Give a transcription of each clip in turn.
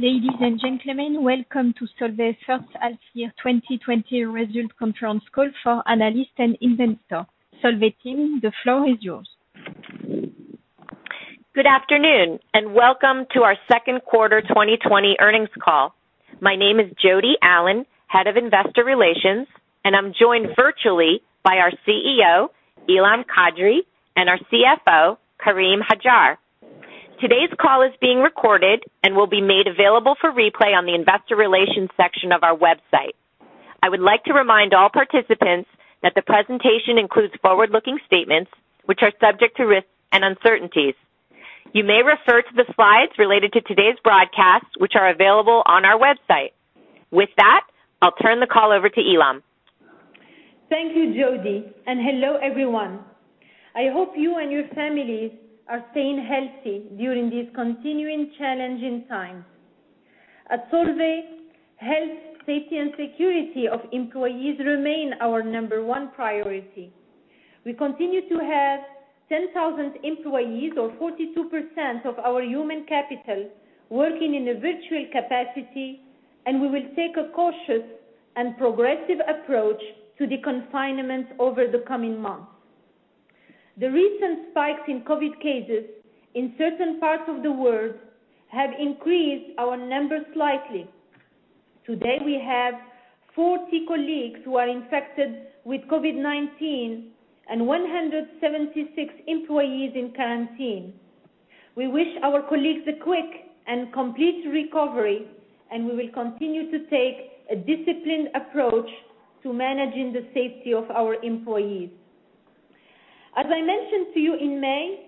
Ladies and gentlemen, welcome to Solvay's First Half Year 2020 Result Conference Call for analysts and investors. Solvay team, the floor is yours. Good afternoon, and welcome to our second quarter 2020 earnings call. My name is Jodi Allen, Head of Investor Relations, and I'm joined virtually by our CEO, Ilham Kadri, and our CFO, Karim Hajjar. Today's call is being recorded and will be made available for replay on the investor relations section of our website. I would like to remind all participants that the presentation includes forward-looking statements, which are subject to risks and uncertainties. You may refer to the slides related to today's broadcast, which are available on our website. With that, I'll turn the call over to Ilham. Thank you, Jodi, and hello, everyone. I hope you and your families are staying healthy during these continuing challenging times. At Solvay, health, safety, and security of employees remain our number one priority. We continue to have 10,000 employees or 42% of our human capital working in a virtual capacity, and we will take a cautious and progressive approach to the confinements over the coming months. The recent spikes in COVID cases in certain parts of the world have increased our numbers slightly. Today, we have 40 colleagues who are infected with COVID-19 and 176 employees in quarantine. We wish our colleagues a quick and complete recovery, and we will continue to take a disciplined approach to managing the safety of our employees. As I mentioned to you in May,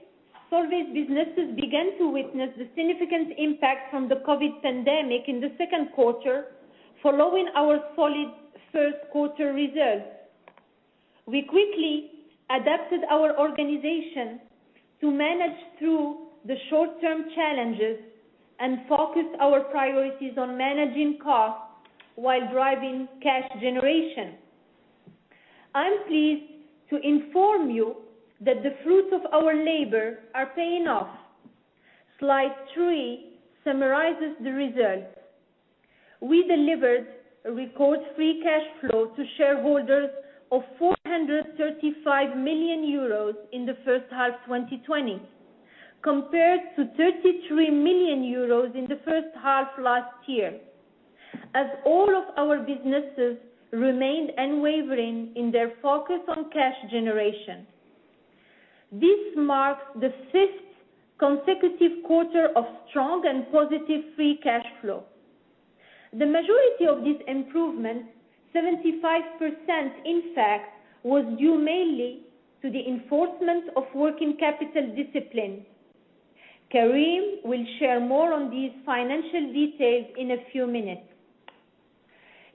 Solvay's businesses began to witness the significant impact from the COVID pandemic in the second quarter, following our solid first quarter results. We quickly adapted our organization to manage through the short-term challenges and focus our priorities on managing costs while driving cash generation. I'm pleased to inform you that the fruits of our labor are paying off. Slide three summarizes the results. We delivered a record free cash flow to shareholders of 435 million euros in the first half 2020, compared to 33 million euros in the first half last year. As all of our businesses remained unwavering in their focus on cash generation. This marks the fifth consecutive quarter of strong and positive free cash flow. The majority of this improvement, 75% in fact, was due mainly to the enforcement of working capital discipline. Karim will share more on these financial details in a few minutes.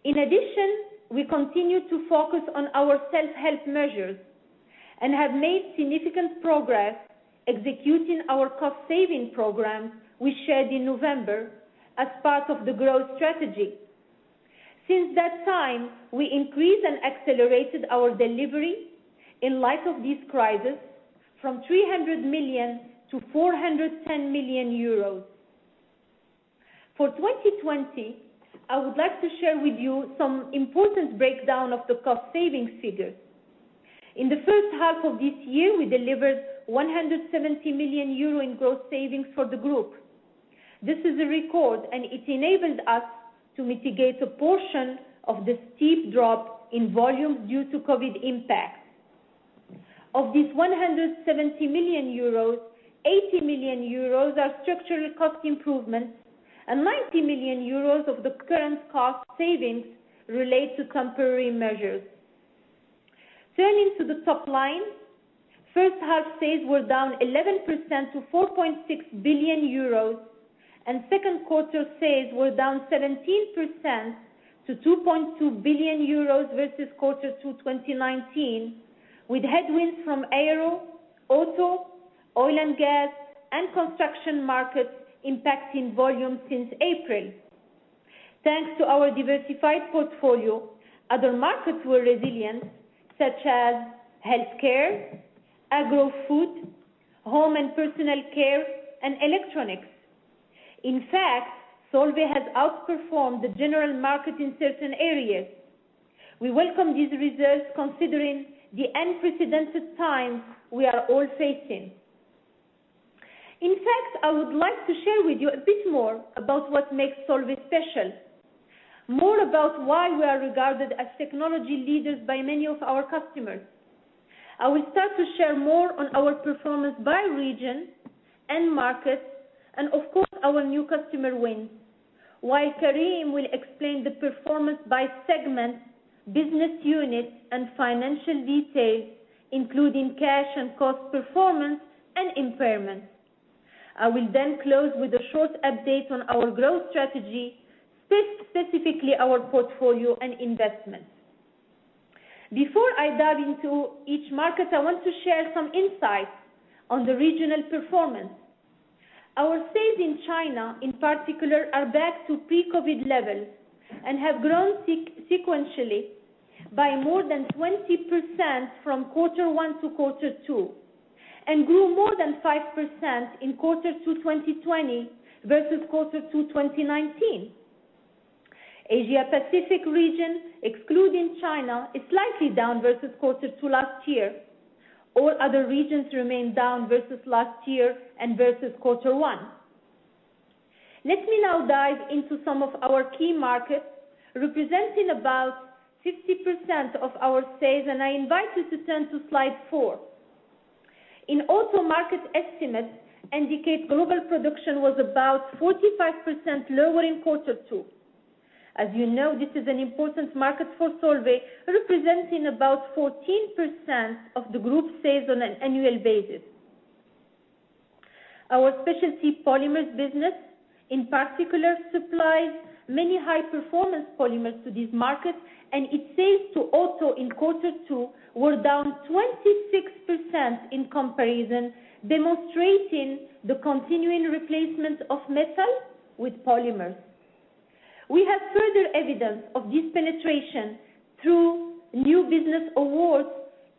In addition, we continue to focus on our self-help measures and have made significant progress executing our cost-saving program we shared in November as part of the growth strategy. Since that time, we increased and accelerated our delivery in light of this crisis from 300 million to 410 million euros. For 2020, I would like to share with you some important breakdown of the cost savings figures. In the first half of this year, we delivered 170 million euro in gross savings for the group. This is a record, and it enabled us to mitigate a portion of the steep drop in volume due to COVID impacts. Of this 170 million euros, 80 million euros are structural cost improvements, and 90 million euros of the current cost savings relate to temporary measures. Turning to the top line, first half sales were down 11% to 4.6 billion euros, and second quarter sales were down 17% to 2.2 billion euros versus quarter two 2019, with headwinds from aero, auto, oil and gas, and construction markets impacting volume since April. Thanks to our diversified portfolio, other markets were resilient, such as healthcare, agro-food, home and personal care, and electronics. In fact, Solvay has outperformed the general market in certain areas. We welcome these results considering the unprecedented times we are all facing. In fact, I would like to share with you a bit more about what makes Solvay special, more about why we are regarded as technology leaders by many of our customers. I will start to share more on our performance by region and markets, and of course, our new customer wins, while Karim will explain the performance by segment, business units, and financial details, including cash and cost performance and impairments. I will then close with a short update on our growth strategy, specifically our portfolio and investments. Before I dive into each market, I want to share some insights on the regional performance. Our sales in China, in particular, are back to pre-COVID levels and have grown sequentially by more than 20% from quarter one to quarter two. Grew more than 5% in quarter two 2020 versus quarter two 2019. Asia Pacific region, excluding China, is slightly down versus quarter two last year. All other regions remain down versus last year and versus quarter one. Let me now dive into some of our key markets, representing about 50% of our sales, and I invite you to turn to slide four. In auto market estimates indicate global production was about 45% lower in quarter two. As you know, this is an important market for Solvay, representing about 14% of the group sales on an annual basis. Our Specialty Polymers business in particular supplies many high-performance polymers to these markets, and its sales to auto in quarter two were down 26% in comparison, demonstrating the continuing replacement of metal with polymers. We have further evidence of this penetration through new business awards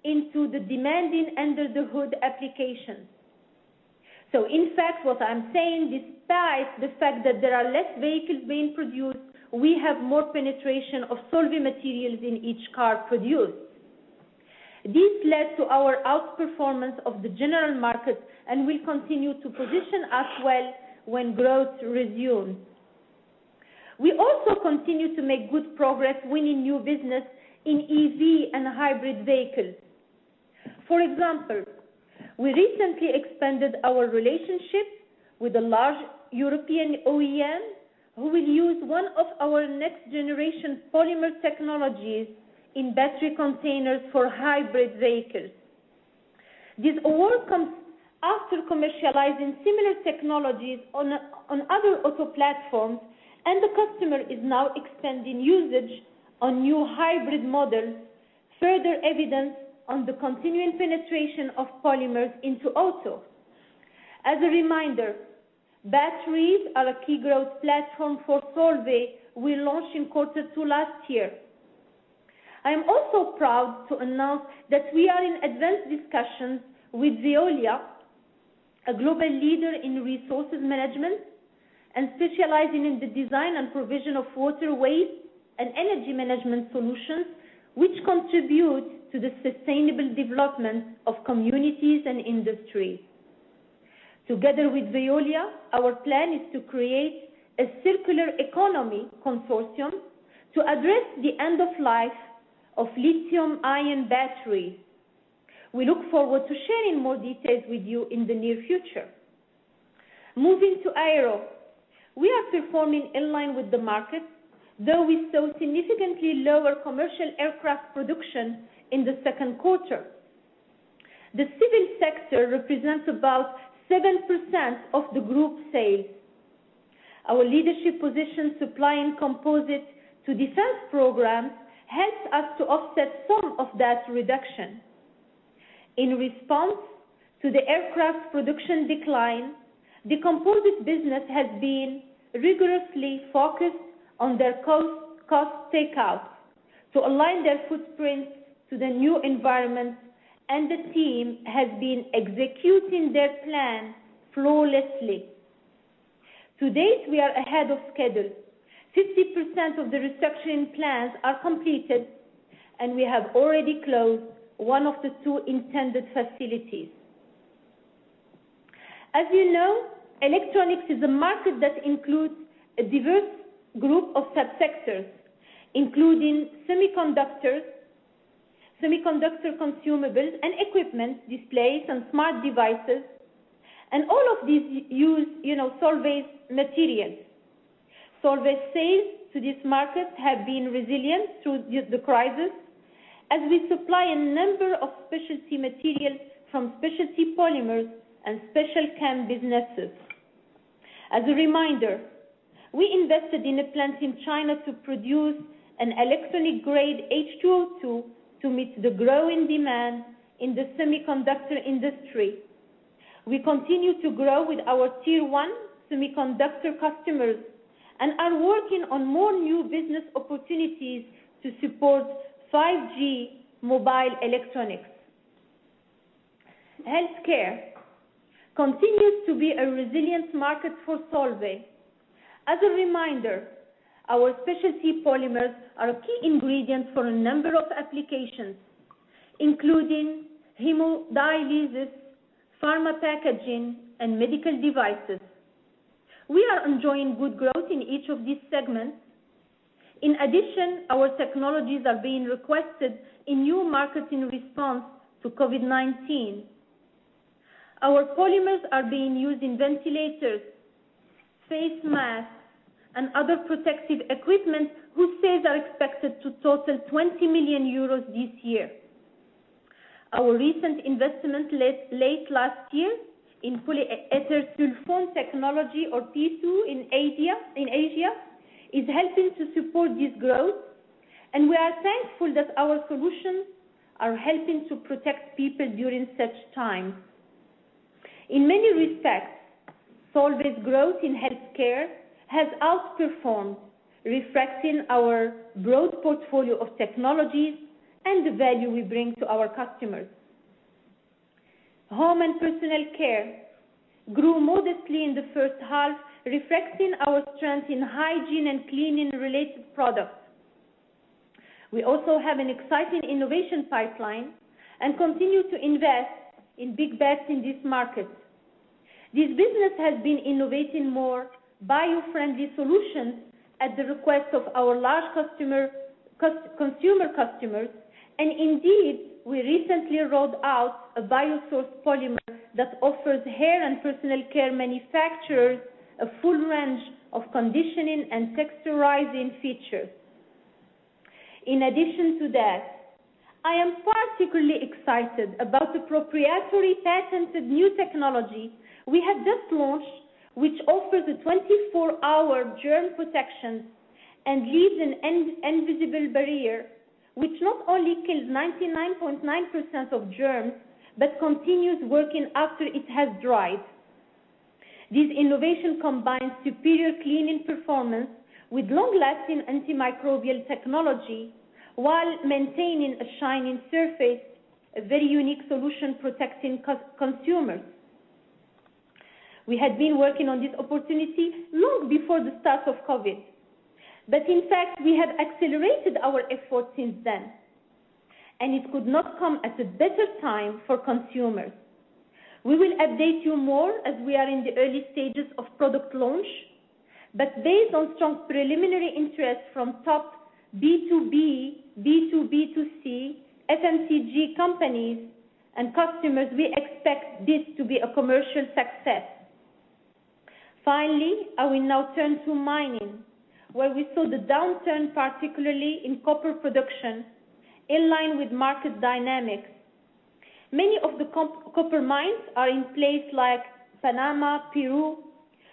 into the demanding under-the-hood applications. In fact, what I'm saying, despite the fact that there are less vehicles being produced, we have more penetration of Solvay materials in each car produced. This led to our outperformance of the general market and will continue to position us well when growth resumes. We also continue to make good progress winning new business in EV and hybrid vehicles. For example, we recently expanded our relationships with a large European OEM who will use one of our next-generation polymer technologies in battery containers for hybrid vehicles. This award comes after commercializing similar technologies on other auto platforms, and the customer is now extending usage on new hybrid models, further evidence on the continuing penetration of polymers into auto. As a reminder, batteries are a key growth platform for Solvay we launched in quarter two last year. I am also proud to announce that we are in advanced discussions with Veolia, a global leader in resource management and specializing in the design and provision of water, waste, and energy management solutions, which contribute to the sustainable development of communities and industry. Together with Veolia, our plan is to create a circular economy consortium to address the end of life of lithium-ion batteries. We look forward to sharing more details with you in the near future. Moving to Aero. We are performing in line with the market, though we saw significantly lower commercial aircraft production in the second quarter. The civil sector represents about 7% of the group sales. Our leadership position supplying composites to defense programs helps us to offset some of that reduction. In response to the aircraft production decline, the Composites business has been rigorously focused on their cost takeout to align their footprints to the new environment, and the team has been executing their plan flawlessly. To date, we are ahead of schedule. 60% of the restructuring plans are completed, and we have already closed one of the two intended facilities. As you know, electronics is a market that includes a diverse group of sub-sectors, including semiconductors, semiconductor consumables, and equipment displays and smart devices, and all of these use Solvay's materials. Solvay sales to this market have been resilient through the crisis, as we supply a number of specialty materials from Specialty Polymers and Special Chem businesses. As a reminder, we invested in a plant in China to produce an electronic-grade H2O2 to meet the growing demand in the semiconductor industry. We continue to grow with our Tier 1 semiconductor customers and are working on more new business opportunities to support 5G mobile electronics. Healthcare continues to be a resilient market for Solvay. As a reminder, our specialty polymers are a key ingredient for a number of applications, including hemodialysis, pharma packaging, and medical devices. We are enjoying good growth in each of these segments. In addition, our technologies are being requested in new markets in response to COVID-19. Our polymers are being used in ventilators, face masks, and other protective equipment, whose sales are expected to total 20 million euros this year. Our recent investment late last year in polyethersulfone technology, or PESU, in Asia is helping to support this growth, and we are thankful that our solutions are helping to protect people during such times. In many respects, Solvay's growth in healthcare has outperformed, reflecting our broad portfolio of technologies and the value we bring to our customers. Home and personal care grew modestly in the first half, reflecting our strength in hygiene and cleaning-related products. We also have an exciting innovation pipeline and continue to invest in big bets in this market. This business has been innovating more bio-friendly solutions at the request of our large consumer customers, and indeed, we recently rolled out a biosourced polymer that offers hair and personal care manufacturers a full range of conditioning and texturizing features. In addition to that, I am particularly excited about the proprietary patented new technology we have just launched, which offers a 24-hour germ protection and leaves an invisible barrier, which not only kills 99.9% of germs, but continues working after it has dried. This innovation combines superior cleaning performance with long-lasting antimicrobial technology while maintaining a shining surface, a very unique solution protecting consumers. We had been working on this opportunity long before the start of COVID, but in fact, we have accelerated our efforts since then, and it could not come at a better time for consumers. We will update you more as we are in the early stages of product launch, but based on strong preliminary interest from top B2B, B2B2C, FMCG companies and customers, we expect this to be a commercial success. Finally, I will now turn to mining, where we saw the downturn, particularly in copper production, in line with market dynamics. Many of the copper mines are in places like Panama, Peru,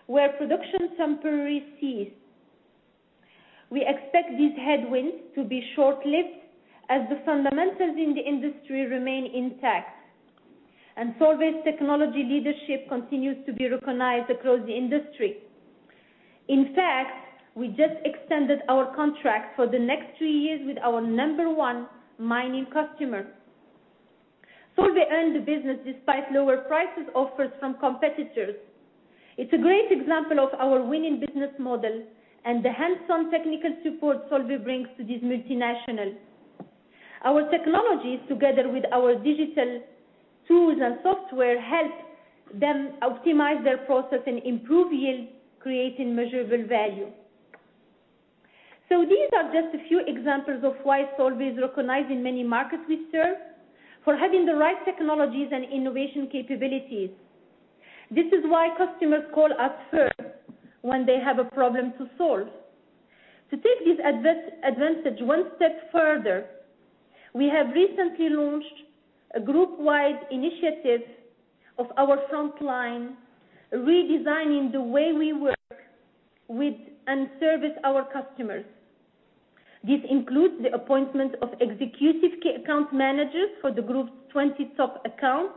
where production temporarily ceased. We expect these headwinds to be short-lived as the fundamentals in the industry remain intact, Solvay's technology leadership continues to be recognized across the industry. In fact, we just extended our contract for the next three years with our number one mining customer. Solvay earned the business despite lower prices offered from competitors. It's a great example of our winning business model and the hands-on technical support Solvay brings to these multinationals. Our technologies, together with our digital tools and software, help them optimize their process and improve yield, creating measurable value. These are just a few examples of why Solvay is recognized in many markets we serve for having the right technologies and innovation capabilities. This is why customers call us first when they have a problem to solve. To take this advantage one step further, we have recently launched a group-wide initiative of our frontline, redesigning the way we work with and service our customers. This includes the appointment of executive account managers for the group's 20 top accounts,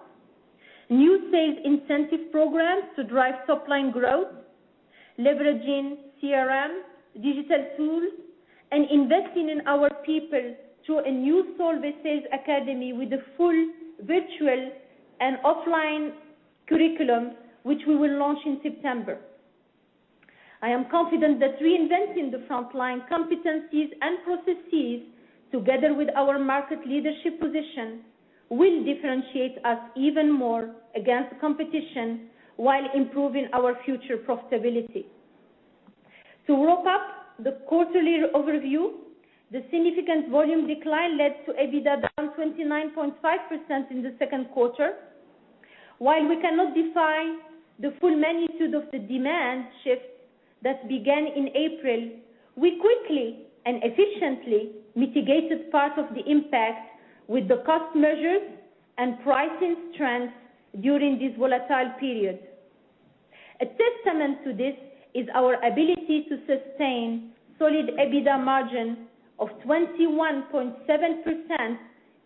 new sales incentive programs to drive top-line growth, leveraging CRM digital tools, and investing in our people through a new Solvay Sales Academy with a full virtual and offline curriculum, which we will launch in September. I am confident that reinventing the frontline competencies and processes together with our market leadership position will differentiate us even more against competition while improving our future profitability. To wrap up the quarterly overview, the significant volume decline led to EBITDA down 29.5% in the second quarter. While we cannot define the full magnitude of the demand shift that began in April, we quickly and efficiently mitigated part of the impact with the cost measures and pricing trends during this volatile period. A testament to this is our ability to sustain solid EBITDA margin of 21.7%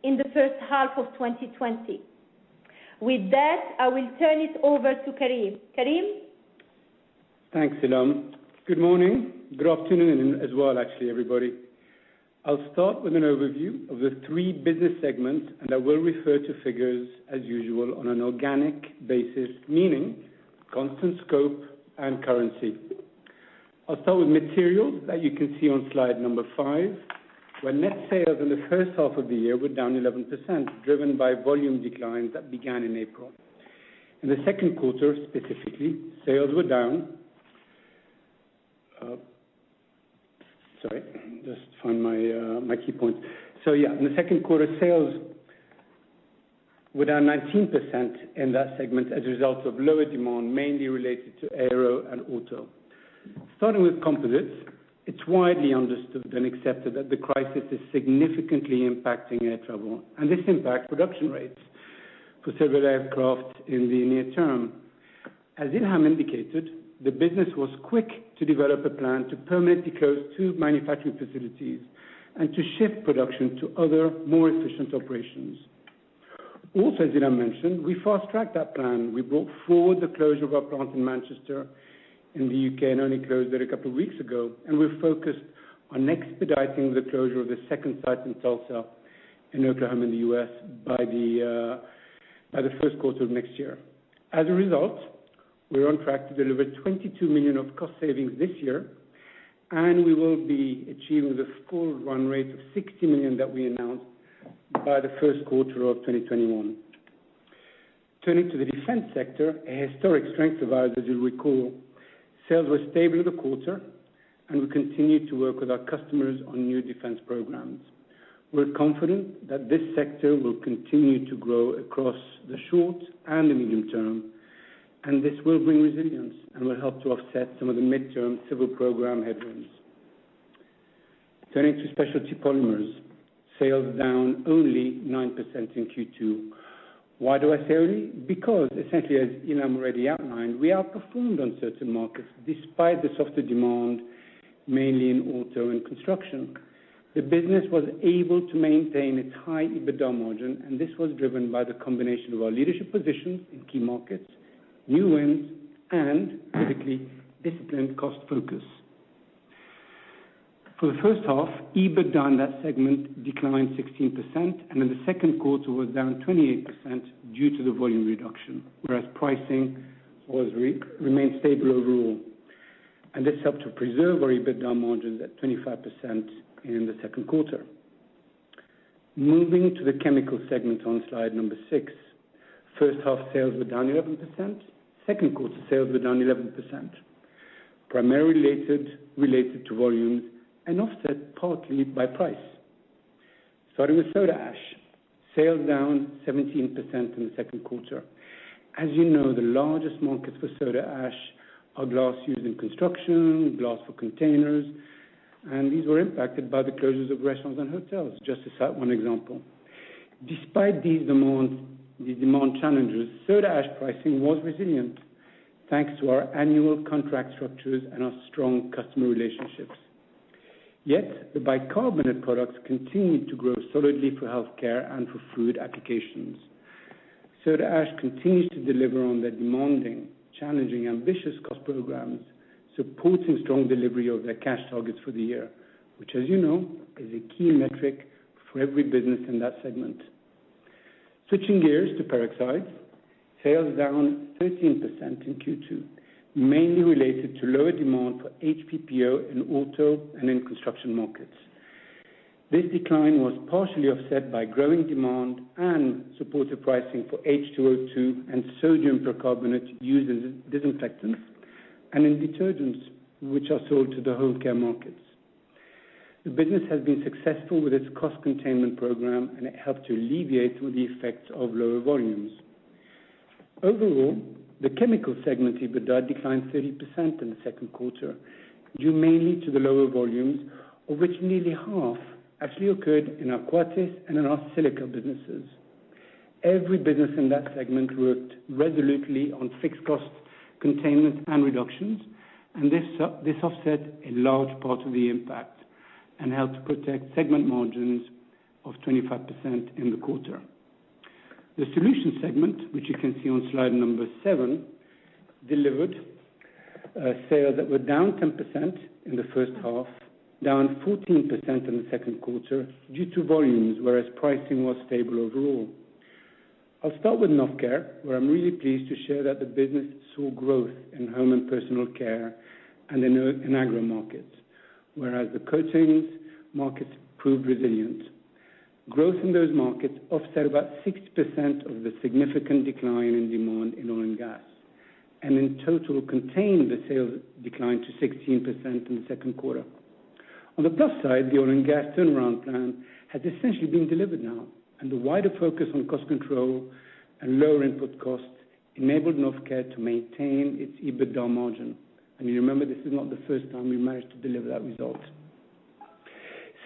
in the first half of 2020. With that, I will turn it over to Karim. Karim? Thanks, Ilham. Good morning. Good afternoon as well, actually, everybody. I'll start with an overview of the three business segments. I will refer to figures as usual on an organic basis, meaning constant scope and currency. I'll start with Materials that you can see on slide number five, where net sales in the first half of the year were down 11%, driven by volume declines that began in April. In the second quarter, specifically, sales were down. Sorry, just find my key point. Yeah, in the second quarter, sales were down 19% in that segment as a result of lower demand, mainly related to aero and auto. Starting with Composites, it's widely understood and accepted that the crisis is significantly impacting air travel. This impacts production rates for several aircraft in the near term. As Ilham indicated, the business was quick to develop a plan to permanently close two manufacturing facilities and to shift production to other, more efficient operations. As Ilham mentioned, we fast-tracked that plan. We brought forward the closure of our plant in Manchester, in the U.K., and only closed it a couple of weeks ago. We're focused on expediting the closure of the second site in Tulsa, in Oklahoma, in the U.S., by the first quarter of next year. As a result, we are on track to deliver 22 million of cost savings this year, and we will be achieving the full run rate of 60 million that we announced by the first quarter of 2021. Turning to the Defense sector, a historic strength of ours as you recall. Sales were stable in the quarter, and we continue to work with our customers on new defense programs. We are confident that this sector will continue to grow across the short and the medium term. This will bring resilience and will help to offset some of the midterm civil program headwinds. Turning to Specialty Polymers. Sales down only 9% in Q2. Why do I say only? Essentially, as Ilham already outlined, we outperformed on certain markets despite the softer demand, mainly in auto and construction. The business was able to maintain its high EBITDA margin. This was driven by the combination of our leadership position in key markets, new wins, and critically disciplined cost focus. For the first half, EBITDA in that segment declined 16%. In the second quarter was down 28% due to the volume reduction. Pricing remained stable overall. This helped to preserve our EBITDA margins at 25% in the second quarter. Moving to the Chemicals segment on slide number six. First half sales were down 11%. Second quarter sales were down 11%, primarily related to volumes and offset partly by price. Starting with soda ash. Sales down 17% in the second quarter. As you know, the largest markets for soda ash are glass used in construction, glass for containers, and these were impacted by the closures of restaurants and hotels, just to cite one example. Despite these demand challenges, soda ash pricing was resilient, thanks to our annual contract structures and our strong customer relationships. The bicarbonate products continued to grow solidly for healthcare and for food applications. Soda ash continues to deliver on the demanding, challenging, ambitious cost programs, supporting strong delivery of their cash targets for the year, which as you know, is a key metric for every business in that segment. Switching gears to peroxides. Sales down 13% in Q2, mainly related to lower demand for HPPO in auto and in construction markets. This decline was partially offset by growing demand and supportive pricing for H2O2 and sodium percarbonate used as disinfectants and in detergents, which are sold to the home care markets. The business has been successful with its cost containment program, and it helped to alleviate some of the effects of lower volumes. Overall, the Chemical segment EBITDA declined 30% in the second quarter due mainly to the lower volumes, of which nearly half actually occurred in our Coatis and in our silica businesses. Every business in that segment worked resolutely on fixed cost containment and reductions, and this offset a large part of the impact and helped protect segment margins of 25% in the quarter. The Solutions segment, which you can see on slide number seven, delivered sales that were down 10% in the first half, down 14% in the second quarter due to volumes, whereas pricing was stable overall. I'll start with Novecare, where I'm really pleased to share that the business saw growth in home and personal care and in agro markets, whereas the coatings markets proved resilient. Growth in those markets offset about 6% of the significant decline in demand in oil and gas, and in total, contained the sales decline to 16% in the second quarter. On the plus side, the oil and gas turnaround plan has essentially been delivered now, and the wider focus on cost control and lower input costs enabled Novecare to maintain its EBITDA margin. You remember, this is not the first time we managed to deliver that result.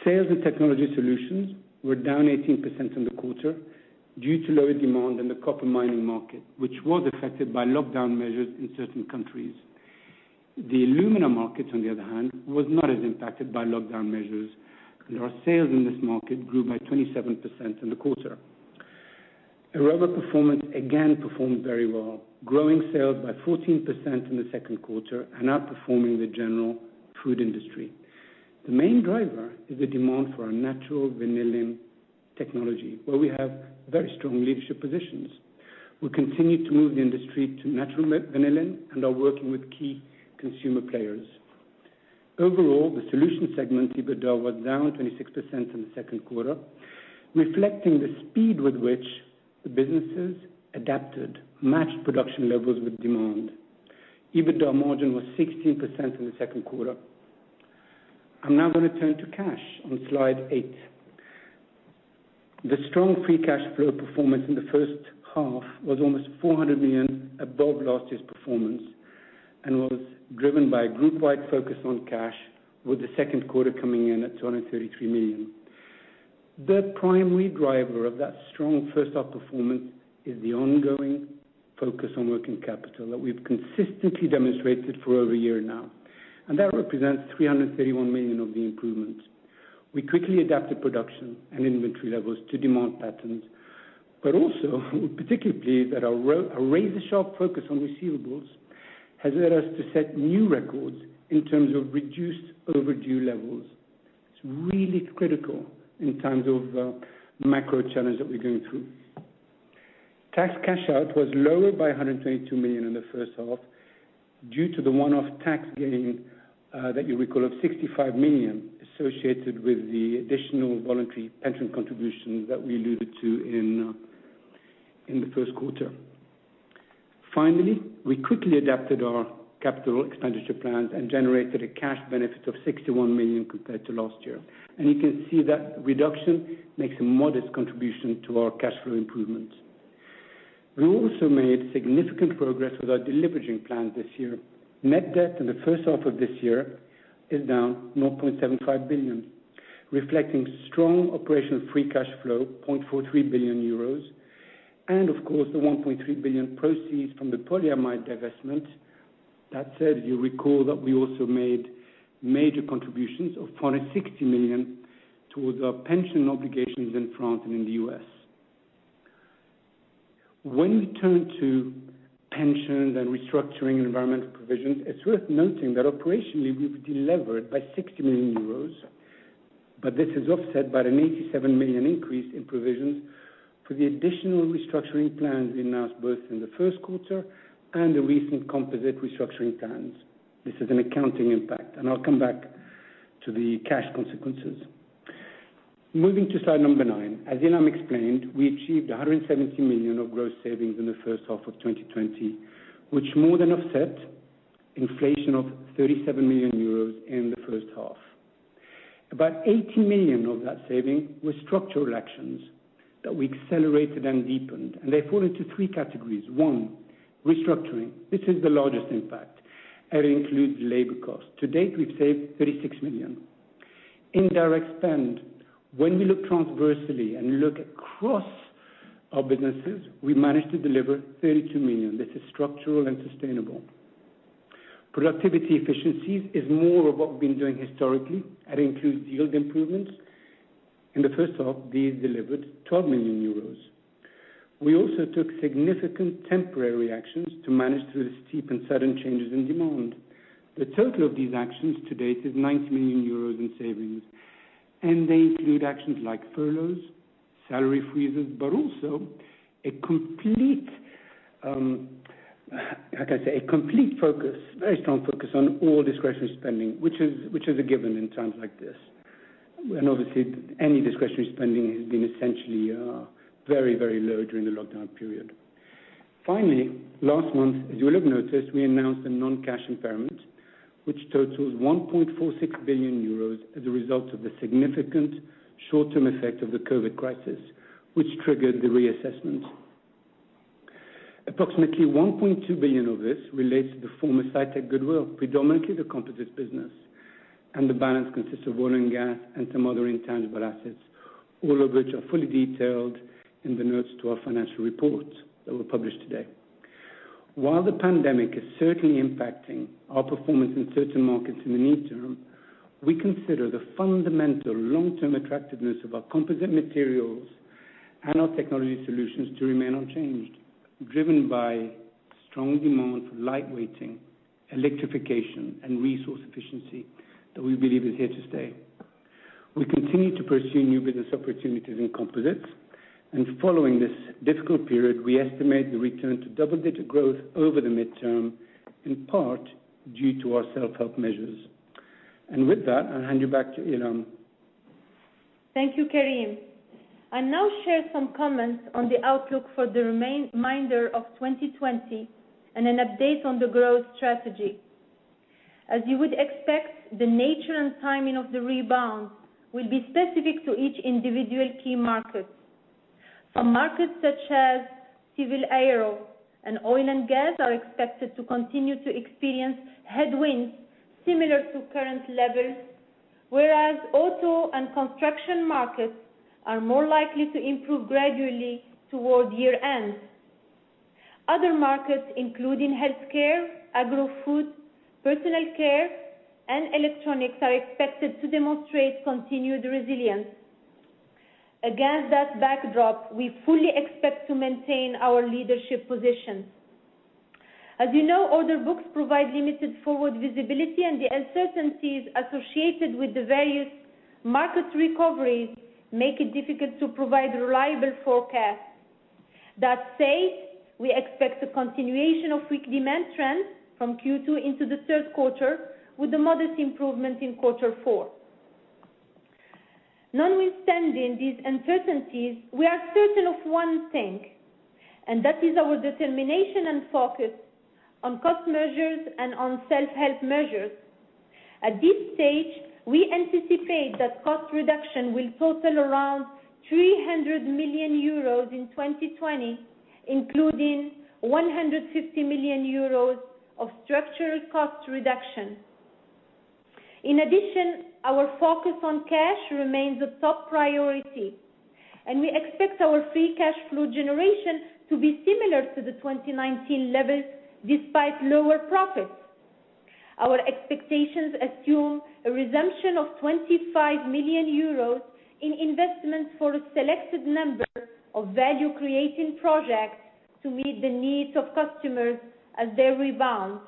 Sales in Technology Solutions were down 18% in the quarter due to lower demand in the copper mining market, which was affected by lockdown measures in certain countries. The alumina market, on the other hand, was not as impacted by lockdown measures and our sales in this market grew by 27% in the quarter. Aroma Performance again performed very well, growing sales by 14% in the second quarter and outperforming the general food industry. The main driver is the demand for our natural vanillin technology, where we have very strong leadership positions. We continue to move the industry to natural vanillin and are working with key consumer players. Overall, the Solutions segment EBITDA was down 26% in the second quarter, reflecting the speed with which the businesses adapted, matched production levels with demand. EBITDA margin was 16% in the second quarter. I'm now going to turn to cash on slide eight. The strong free cash flow performance in the first half was almost 400 million above last year's performance and was driven by a group-wide focus on cash with the second quarter coming in at 233 million. The primary driver of that strong first half performance is the ongoing focus on working capital that we've consistently demonstrated for over a year now. That represents 331 million of the improvements. We quickly adapted production and inventory levels to demand patterns, but also, we're particularly pleased that our razor-sharp focus on receivables has led us to set new records in terms of reduced overdue levels. It's really critical in times of macro challenge that we're going through. Tax cash out was lower by 122 million in the first half due to the one-off tax gain that you recall of 65 million associated with the additional voluntary pension contribution that we alluded to in the first quarter. We quickly adapted our capital expenditure plans and generated a cash benefit of 61 million compared to last year. You can see that reduction makes a modest contribution to our cash flow improvements. We also made significant progress with our deleveraging plan this year. Net debt in the first half of this year is down 1.75 billion, reflecting strong operational free cash flow, 0.43 billion euros, and of course, the 1.3 billion proceeds from the polyamide divestment. That said, you recall that we also made major contributions of 460 million towards our pension obligations in France and in the U.S. When we turn to pensions and restructuring environmental provisions, it's worth noting that operationally, we've delevered by 60 million euros, but this is offset by an 87 million increase in provisions for the additional restructuring plans announced both in the first quarter and the recent Composites restructuring plans. This is an accounting impact, and I'll come back to the cash consequences. Moving to slide number nine. As Ilham explained, we achieved 170 million of gross savings in the first half of 2020, which more than offset inflation of 37 million euros in the first half. About 80 million of that saving was structural actions that we accelerated and deepened, and they fall into three categories. One, restructuring. This is the largest impact, and it includes labor cost. To date, we've saved 36 million. Indirect spend. When we look transversely and look across our businesses, we managed to deliver 32 million. This is structural and sustainable. Productivity efficiencies is more of what we've been doing historically. That includes yield improvements. In the first half, these delivered 12 million euros. We also took significant temporary actions to manage through the steep and sudden changes in demand. The total of these actions to date is 90 million euros in savings, and they include actions like furloughs, salary freezes, but also, how can I say, a complete focus, very strong focus on all discretionary spending, which is a given in times like this. Obviously, any discretionary spending has been essentially very, very low during the lockdown period. Finally, last month, as you will have noticed, we announced a non-cash impairment, which totals 1.46 billion euros as a result of the significant short-term effect of the COVID crisis, which triggered the reassessment. Approximately 1.2 billion of this relates to the former Cytec goodwill, predominantly the Composites business, and the balance consists of oil and gas and some other intangible assets, all of which are fully detailed in the notes to our financial report that were published today. While the pandemic is certainly impacting our performance in certain markets in the near term, we consider the fundamental long-term attractiveness of our composite materials and our Technology Solutions to remain unchanged, driven by strong demand for light weighting, electrification, and resource efficiency that we believe is here to stay. We continue to pursue new business opportunities in composites, and following this difficult period we estimate the return to double-digit growth over the midterm, in part due to our self-help measures. With that, I'll hand you back to Ilham. Thank you, Karim. I'll now share some comments on the outlook for the remainder of 2020 and an update on the growth strategy. As you would expect, the nature and timing of the rebound will be specific to each individual key market. For markets such as civil aero and oil and gas are expected to continue to experience headwinds similar to current levels, whereas auto and construction markets are more likely to improve gradually toward year-end. Other markets, including healthcare, agro-food, personal care, and electronics, are expected to demonstrate continued resilience. Against that backdrop, we fully expect to maintain our leadership position. As you know, order books provide limited forward visibility, and the uncertainties associated with the various market recoveries make it difficult to provide reliable forecasts. That said, we expect a continuation of weak demand trends from Q2 into the third quarter, with a modest improvement in quarter four. Notwithstanding these uncertainties, we are certain of one thing, that is our determination and focus on cost measures and on self-help measures. At this stage, we anticipate that cost reduction will total around 300 million euros in 2020, including 150 million euros of structural cost reduction. Our focus on cash remains a top priority, we expect our free cash flow generation to be similar to the 2019 levels despite lower profits. Our expectations assume a resumption of 25 million euros in investments for a selected number of value-creating projects to meet the needs of customers as they rebound.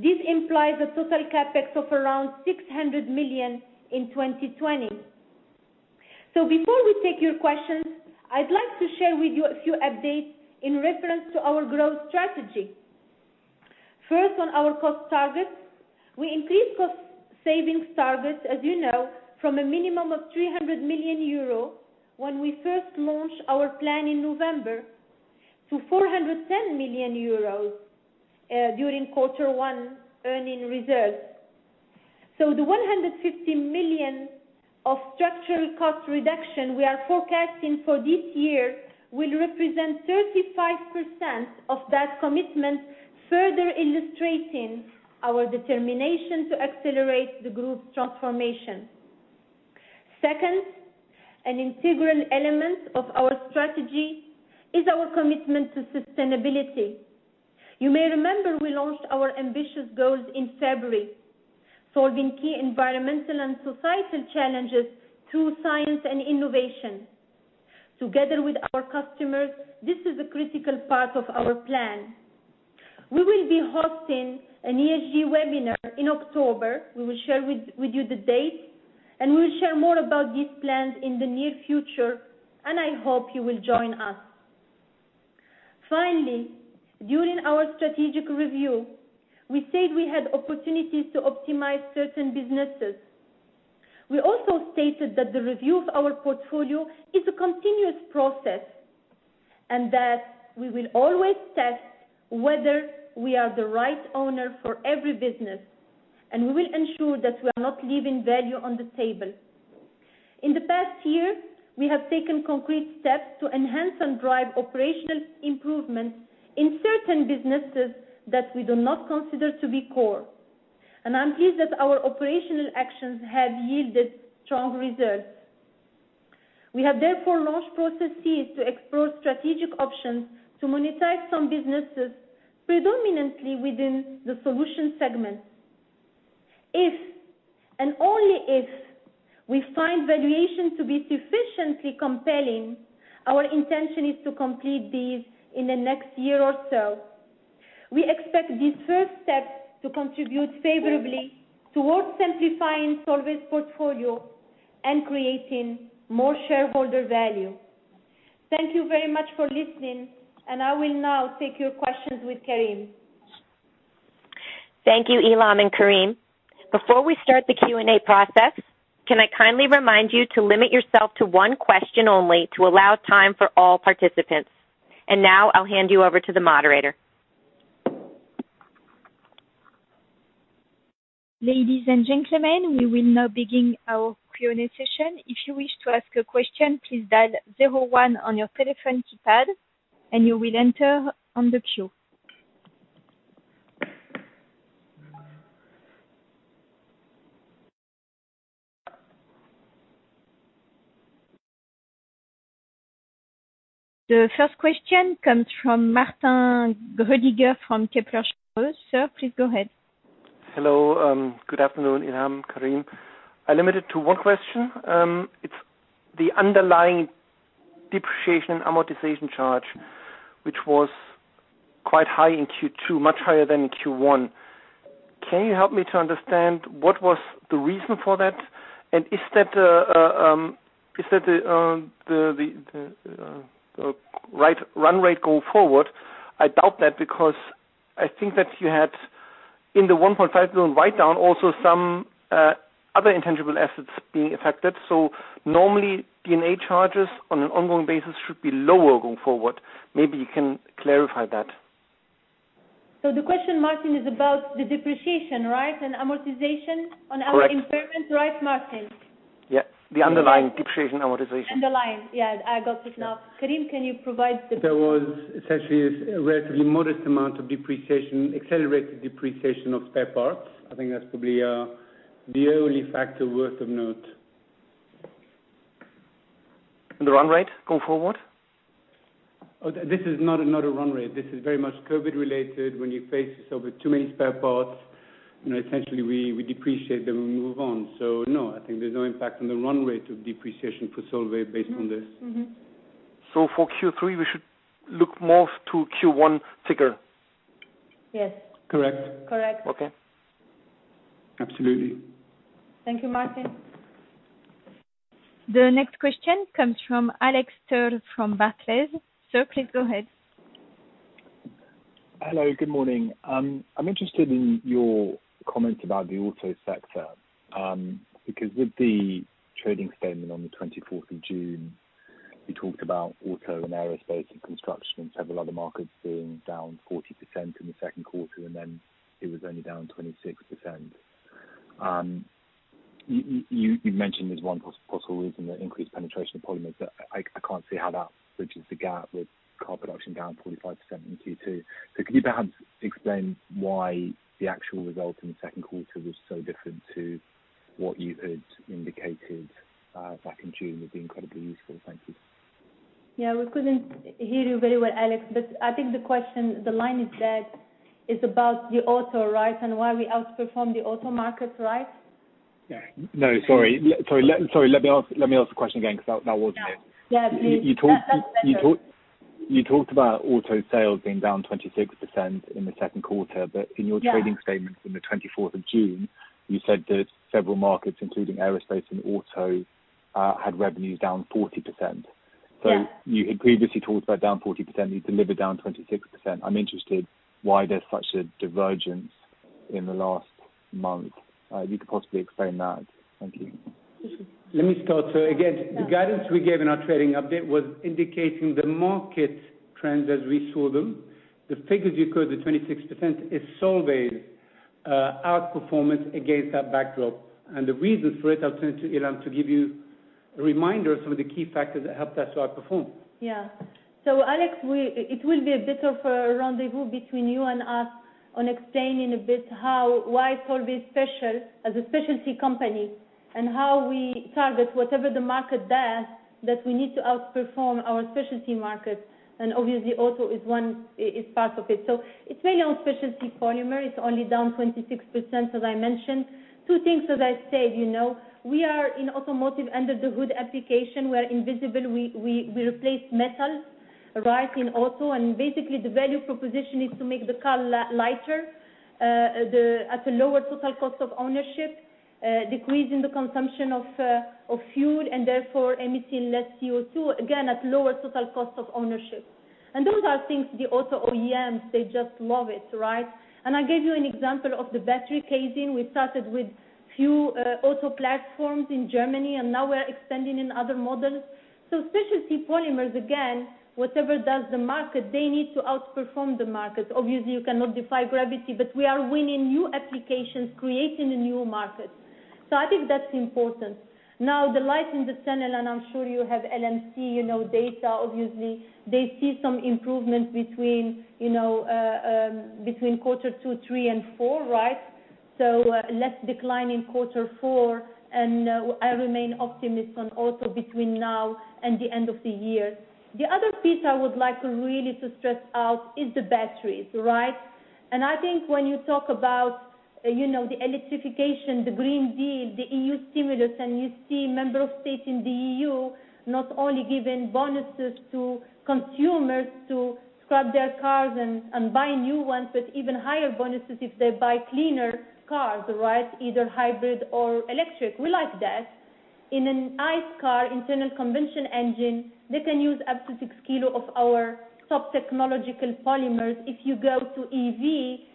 This implies a total CapEx of around 600 million in 2020. Before we take your questions, I'd like to share with you a few updates in reference to our growth strategy. First, on our cost targets. We increased cost savings targets, as you know, from a minimum of 300 million euro when we first launched our plan in November to 410 million euros during quarter one earning reserves. The 150 million of structural cost reduction we are forecasting for this year will represent 35% of that commitment, further illustrating our determination to accelerate the group's transformation. Second, an integral element of our strategy is our commitment to sustainability. You may remember we launched our ambitious goals in February, solving key environmental and societal challenges through science and innovation. Together with our customers, this is a critical part of our plan. We will be hosting an ESG webinar in October. We will share with you the date, and we will share more about these plans in the near future, and I hope you will join us. Finally, during our strategic review, we said we had opportunities to optimize certain businesses. We also stated that the review of our portfolio is a continuous process, and that we will always test whether we are the right owner for every business, and we will ensure that we are not leaving value on the table. In the past year, we have taken concrete steps to enhance and drive operational improvements in certain businesses that we do not consider to be core. I'm pleased that our operational actions have yielded strong results. We have therefore launched processes to explore strategic options to monetize some businesses, predominantly within the Solutions segment. If and only if we find valuation to be sufficiently compelling, our intention is to complete these in the next year or so. We expect these first steps to contribute favorably towards simplifying Solvay's portfolio and creating more shareholder value. Thank you very much for listening. I will now take your questions with Karim. Thank you, Ilham and Karim. Before we start the Q&A process, can I kindly remind you to limit yourself to one question only to allow time for all participants. Now I'll hand you over to the moderator. Ladies and gentlemen, we will now begin our Q&A session. If you wish to ask a question, please dial zero one on your telephone keypad, and you will enter on the queue. The first question comes from Martin Roediger from Kepler Cheuvreux. Sir, please go ahead. Hello. Good afternoon, Ilham, Karim. I limit it to one question. It's the underlying depreciation and amortization charge, which was quite high in Q2, much higher than in Q1. Can you help me to understand what was the reason for that, and is that the right run rate going forward? I doubt that because I think that you had, in the $1.5 billion write-down, also some other intangible assets being affected. Normally, D&A charges on an ongoing basis should be lower going forward. Maybe you can clarify that. The question, Martin, is about the depreciation, right, and amortization. Correct. Impairment, right, Martin? Yeah. The underlying depreciation, amortization. Underlying. Yeah, I got it now. Karim, can you provide? There was essentially a relatively modest amount of accelerated depreciation of spare parts. I think that's probably the only factor worth of note. The run rate going forward? Oh, this is not another run rate. This is very much COVID-related. When you face this over too many spare parts, essentially, we depreciate them and move on. No, I think there's no impact on the run rate of depreciation for Solvay based on this. For Q3, we should look more to Q1 figure? Yes. Correct. Correct. Okay. Absolutely. Thank you, Martin. The next question comes from Alex Stewart from Barclays. Sir, please go ahead. Hello, good morning. I'm interested in your comment about the auto sector. With the trading statement on the 24th of June, you talked about auto and aerospace and construction and several other markets being down 40% in the second quarter, and then it was only down 26%. You mentioned there's one possible reason, the increased penetration of polymers, but I can't see how that bridges the gap with car production down 45% in Q2. Could you perhaps explain why the actual result in the second quarter was so different to what you had indicated back in June would be incredibly useful. Thank you. Yeah, we couldn't hear you very well, Alex. I think the question, the line is that it's about the auto, right? Why we outperformed the auto market, right? No, sorry. Let me ask the question again because that wasn't it. Yeah, please. You talked about auto sales being down 26% in the second quarter. In your trading statements on the 24th of June, you said that several markets, including aerospace and auto, had revenues down 40%. You had previously talked about down 40%, you delivered down 26%. I'm interested why there's such a divergence in the last month. You could possibly explain that. Thank you. Let me start. Again, the guidance we gave in our trading update was indicating the market trends as we saw them. The figures you quote, the 26%, is Solvay's outperformance against that backdrop. The reasons for it, I'll turn to Ilham to give you a reminder of some of the key factors that helped us to outperform. Alex, it will be a bit of a rendezvous between you and us on explaining a bit why Solvay is special as a specialty company, and how we target whatever the market does, that we need to outperform our specialty markets. Obviously auto is part of it. It's mainly on Specialty Polymers. It's only down 26%, as I mentioned. Two things that I said. We are in automotive under-the-hood application. We're invisible. We replace metal, right, in auto, and basically the value proposition is to make the car lighter, at a lower total cost of ownership, decreasing the consumption of fuel and therefore emitting less CO2, again, at lower total cost of ownership. Those are things the auto OEMs, they just love it. I gave you an example of the battery casing. We started with few auto platforms in Germany. Now we're extending in other models. Specialty Polymers, again, whatever does the market, they need to outperform the market. Obviously, you cannot defy gravity. We are winning new applications, creating a new market. I think that's important. The light in the tunnel. I'm sure you have LMC data. Obviously, they see some improvement between quarter two, three, and four. Less decline in quarter four. I remain optimist on auto between now and the end of the year. The other piece I would like really to stress out is the batteries. I think when you talk about the electrification, the Green Deal, the EU stimulus, and you see member of state in the EU not only giving bonuses to consumers to scrap their cars and buy new ones, but even higher bonuses if they buy cleaner cars, either hybrid or electric. We like that. In an ICE car, internal combustion engine, they can use up to six kilo of our top technological polymers. If you go to EV,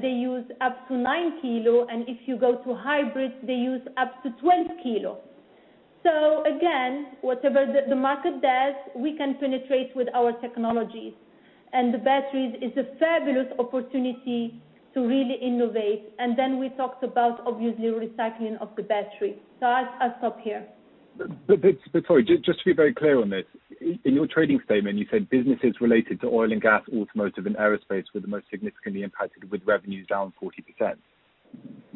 they use up to nine kilo, and if you go to hybrid, they use up to 20 kg. Again, whatever the market does, we can penetrate with our technologies. The batteries is a fabulous opportunity to really innovate. Then we talked about, obviously, recycling of the battery. I'll stop here. Sorry, just to be very clear on this. In your trading statement, you said businesses related to oil and gas, automotive, and aerospace were the most significantly impacted with revenues down 40%.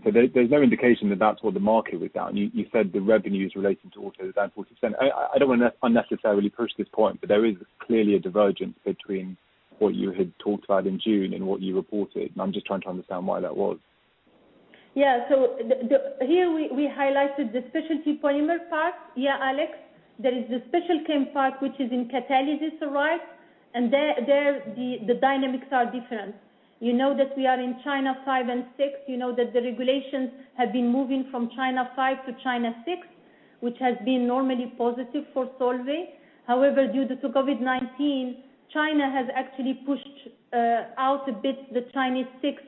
There's no indication that that's what the market was down. You said the revenues related to auto is down 40%. I don't want to unnecessarily push this point, but there is clearly a divergence between what you had talked about in June and what you reported, and I'm just trying to understand why that was. Here we highlighted the Specialty Polymers part. Alex, there is the Special Chem part which is in catalysis. There the dynamics are different. You know that we are in China V and VI. You know that the regulations have been moving from China V to China VI, which has been normally positive for Solvay. However, due to COVID-19, China has actually pushed out a bit the China VI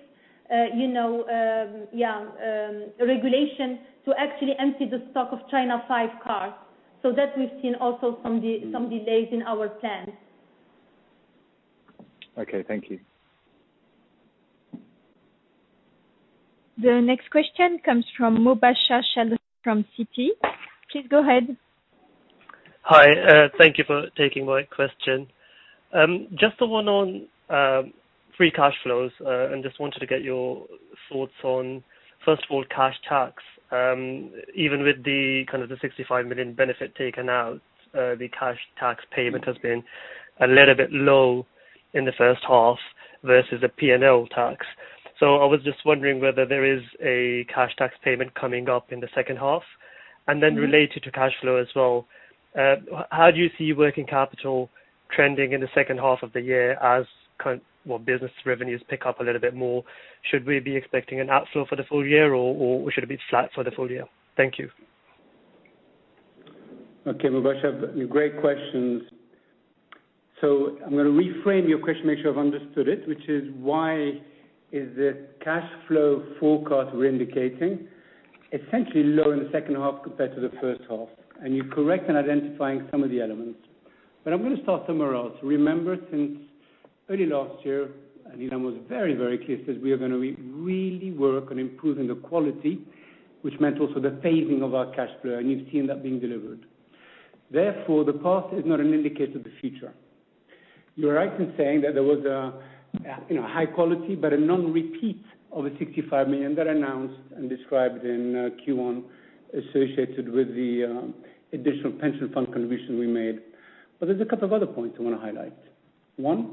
regulation to actually empty the stock of China V cars. That we've seen also some delays in our plans. Okay. Thank you. The next question comes from Mubasher Chaudhry from Citi. Please go ahead. Hi. Thank you for taking my question. Just the one on free cash flows. Just wanted to get your thoughts on, first of all, cash tax. Even with the 65 million benefit taken out, the cash tax payment has been a little bit low in the first half versus the P&L tax. I was just wondering whether there is a cash tax payment coming up in the second half. Related to cash flow as well, how do you see working capital trending in the second half of the year as current business revenues pick up a little bit more? Should we be expecting an outflow for the full year, or should it be flat for the full year? Thank you. Okay, Mubasher. Great questions. I'm going to reframe your question, make sure I've understood it, which is why is the cash flow forecast we're indicating essentially low in the second half compared to the first half. You're correct in identifying some of the elements. I'm going to start somewhere else. Remember since early last year, Ilham was very clear, he says, "We are going to really work on improving the quality," which meant also the phasing of our cash flow. You've seen that being delivered. Therefore, the past is not an indicator of the future. You're right in saying that there was a high quality but a non-repeat of the 65 million that announced and described in Q1 associated with the additional pension fund contribution we made. There's a couple of other points I want to highlight. One,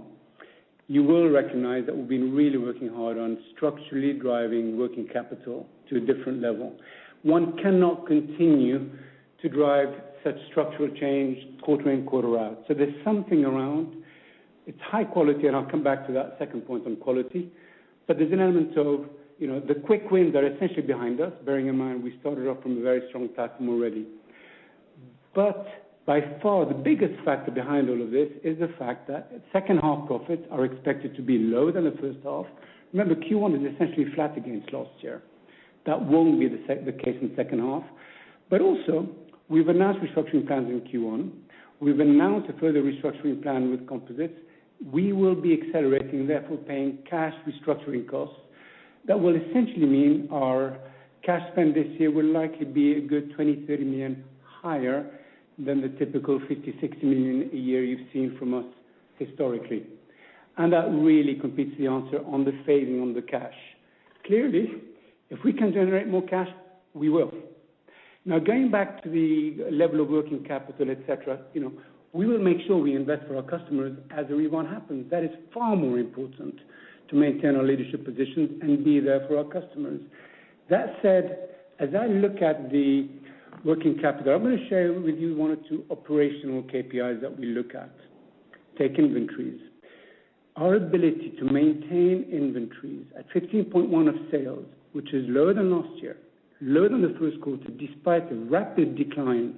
you will recognize that we've been really working hard on structurally driving working capital to a different level. One cannot continue to drive such structural change quarter in, quarter out. There's something around. It's high quality, and I'll come back to that second point on quality. There's an element of the quick wins are essentially behind us, bearing in mind we started off from a very strong platform already. By far, the biggest factor behind all of this is the fact that second half profits are expected to be lower than the first half. Remember, Q1 is essentially flat against last year. That won't be the case in the second half. Also, we've announced restructuring plans in Q1. We've announced a further restructuring plan with Composites. We will be accelerating, therefore paying cash restructuring costs. That will essentially mean our cash spend this year will likely be a good 20 million-30 million higher than the typical 50 million-60 million a year you've seen from us historically. That really completes the answer on the phasing on the cash. Clearly, if we can generate more cash, we will. Now, going back to the level of working capital, et cetera, we will make sure we invest for our customers as and when it happens. That is far more important to maintain our leadership position and be there for our customers. That said, as I look at the working capital, I'm going to share with you one or two operational KPIs that we look at. Take inventories. Our ability to maintain inventories at 15.1% of sales, which is lower than last year, lower than the first quarter, despite the rapid decline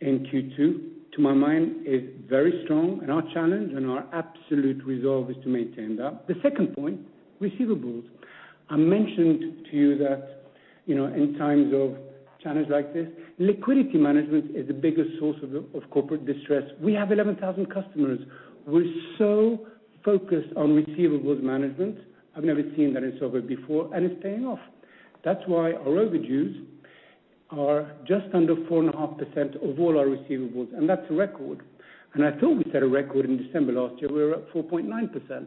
in Q2, to my mind, is very strong, and our challenge and our absolute resolve is to maintain that. The second point, receivables. I mentioned to you that in times of challenges like this, liquidity management is the biggest source of corporate distress. We have 11,000 customers. We're so focused on receivables management. I've never seen that in Solvay before, and it's paying off. That's why our overdues are just under 4.5% of all our receivables, and that's a record. I thought we set a record in December last year. We were at 4.9%.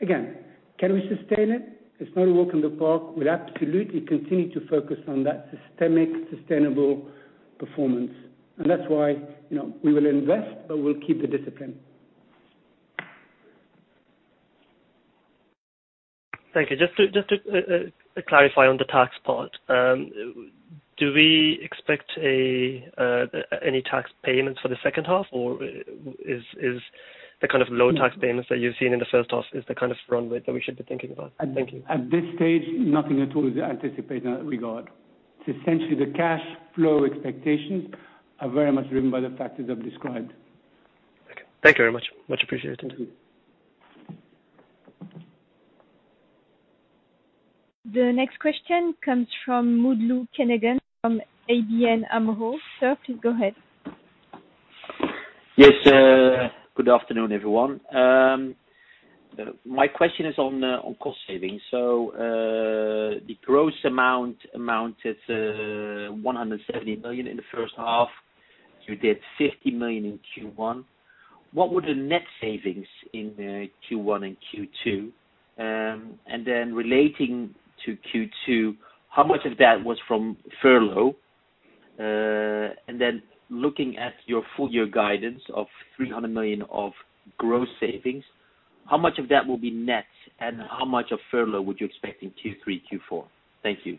Again, can we sustain it? It's not a walk in the park. We'll absolutely continue to focus on that systemic, sustainable performance. That's why we will invest, but we'll keep the discipline. Thank you. Just to clarify on the tax part, do we expect any tax payments for the second half, or is the kind of low tax payments that you've seen in the first half is the kind of front-load that we should be thinking about? Thank you. At this stage, nothing at all is anticipated in that regard. It's essentially the cash flow expectations are very much driven by the factors I've described. Okay. Thank you very much. Much appreciated. Thank you. The next question comes from Mutlu Gundogan from ABN AMRO. Sir, please go ahead. Yes. Good afternoon, everyone. My question is on cost savings. The gross amount amounted to 170 million in the first half. You did 50 million in Q1. What were the net savings in Q1 and Q2? Relating to Q2, how much of that was from furlough? Looking at your full year guidance of 300 million of gross savings, how much of that will be net, and how much of furlough would you expect in Q3, Q4? Thank you.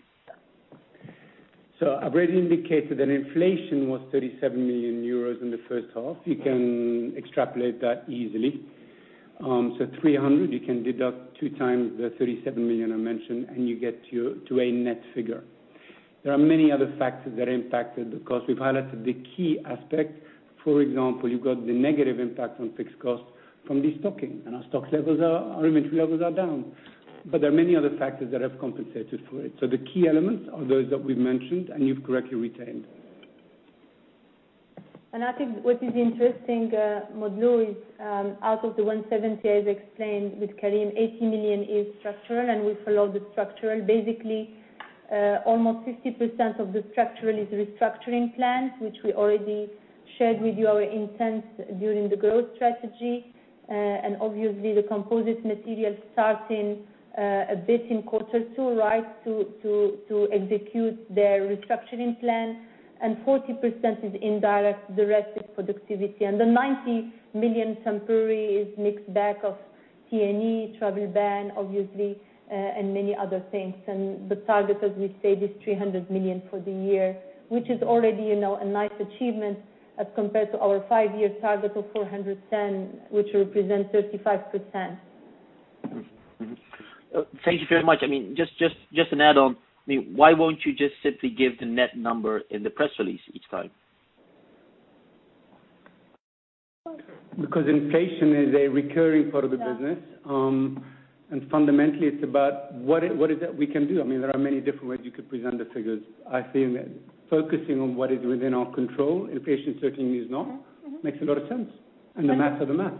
I've already indicated that inflation was 37 million euros in the first half. You can extrapolate that easily. 300 million, you can deduct two times the 37 million I mentioned, and you get to a net figure. There are many other factors that impacted the cost. We've highlighted the key aspect. For example, you got the negative impact on fixed costs from de-stocking, and our inventory levels are down. There are many other factors that have compensated for it. The key elements are those that we've mentioned, and you've correctly retained. I think what is interesting, Mutlu, is out of the 170 million, as explained with Karim, 80 million is structural, and we follow the structural. Basically, almost 50% of the structural is restructuring plans, which we already shared with you our intent during the growth strategy. Obviously, the Composites material starting a bit in quarter two, right, to execute their restructuring plan, and 40% is indirect, the rest is productivity. The 90 million temporary is mixed bag of T&E, travel ban, obviously, and many other things. The target, as we said, is 300 million for the year, which is already a nice achievement as compared to our five-year target of 410 million, which represents 35%. Thank you very much. Just an add on. Why won't you just simply give the net number in the press release each time? Inflation is a recurring part of the business. Fundamentally, it's about what is it that we can do. There are many different ways you could present the figures. I feel that focusing on what is within our control, and patience certainly is not, makes a lot of sense. The math are the math.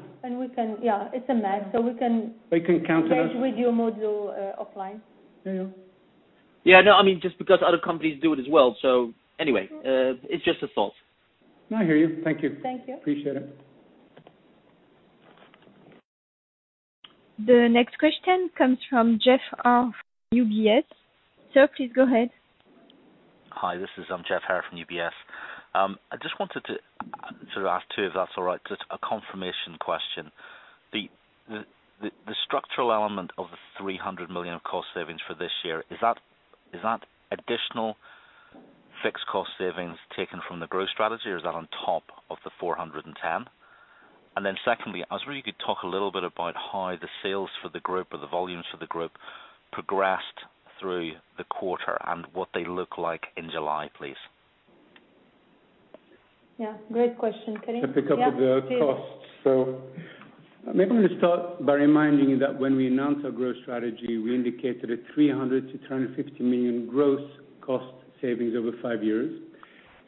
Yeah, it's a math. We can count on us. We can manage with you Mutlu, offline. Yeah. Yeah. No, just because other companies do it as well. Anyway, it's just a thought. No, I hear you. Thank you. Thank you. Appreciate it. The next question comes from Geoff Haire from UBS. Sir, please go ahead. Hi, this is Geoff Haire from UBS. I just wanted to sort of ask too, if that's all right, just a confirmation question. The structural element of the 300 million of cost savings for this year, is that additional fixed cost savings taken from the growth strategy or is that on top of the 410 million? Secondly, I was wondering if you could talk a little bit about how the sales for the group or the volumes for the group progressed through the quarter and what they look like in July, please. Yeah, great question. Karim? Yeah. To pick up on the costs. Maybe let me start by reminding you that when we announced our growth strategy, we indicated a 300 million-350 million gross cost savings over five years.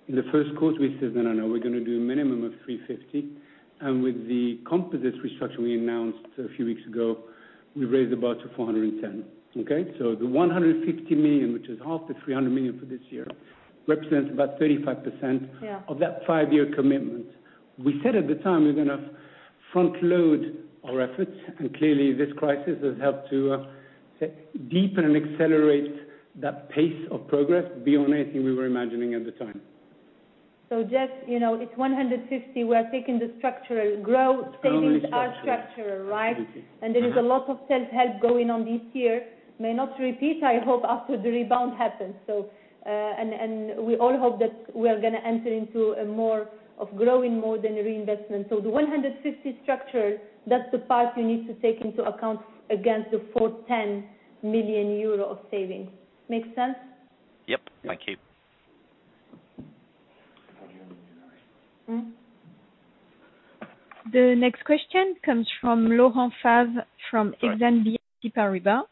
In the first quarter we said, "No, no, we're going to do a minimum of 350 million." With the Composites restructuring we announced a few weeks ago, we raised the bar to 410 million. Okay. The 150 million, which is half the 300 million for this year, represents about 35% of that five-year commitment. We said at the time we're going to front-load our efforts, and clearly this crisis has helped to deepen and accelerate that pace of progress beyond anything we were imagining at the time. Geoff, it's 150 million talking the structural grow. It's only structural. Savings are structural, right? Absolutely. There is a lot of self-help going on this year. May not repeat, I hope, after the rebound happens. We all hope that we are going to enter into a more of growing mode than reinvestment. The 150 million structural, that's the part you need to take into account against the 410 million euro of savings. Make sense? Yep. Thank you. The next question comes from Laurent Favre from Exane BNP Paribas.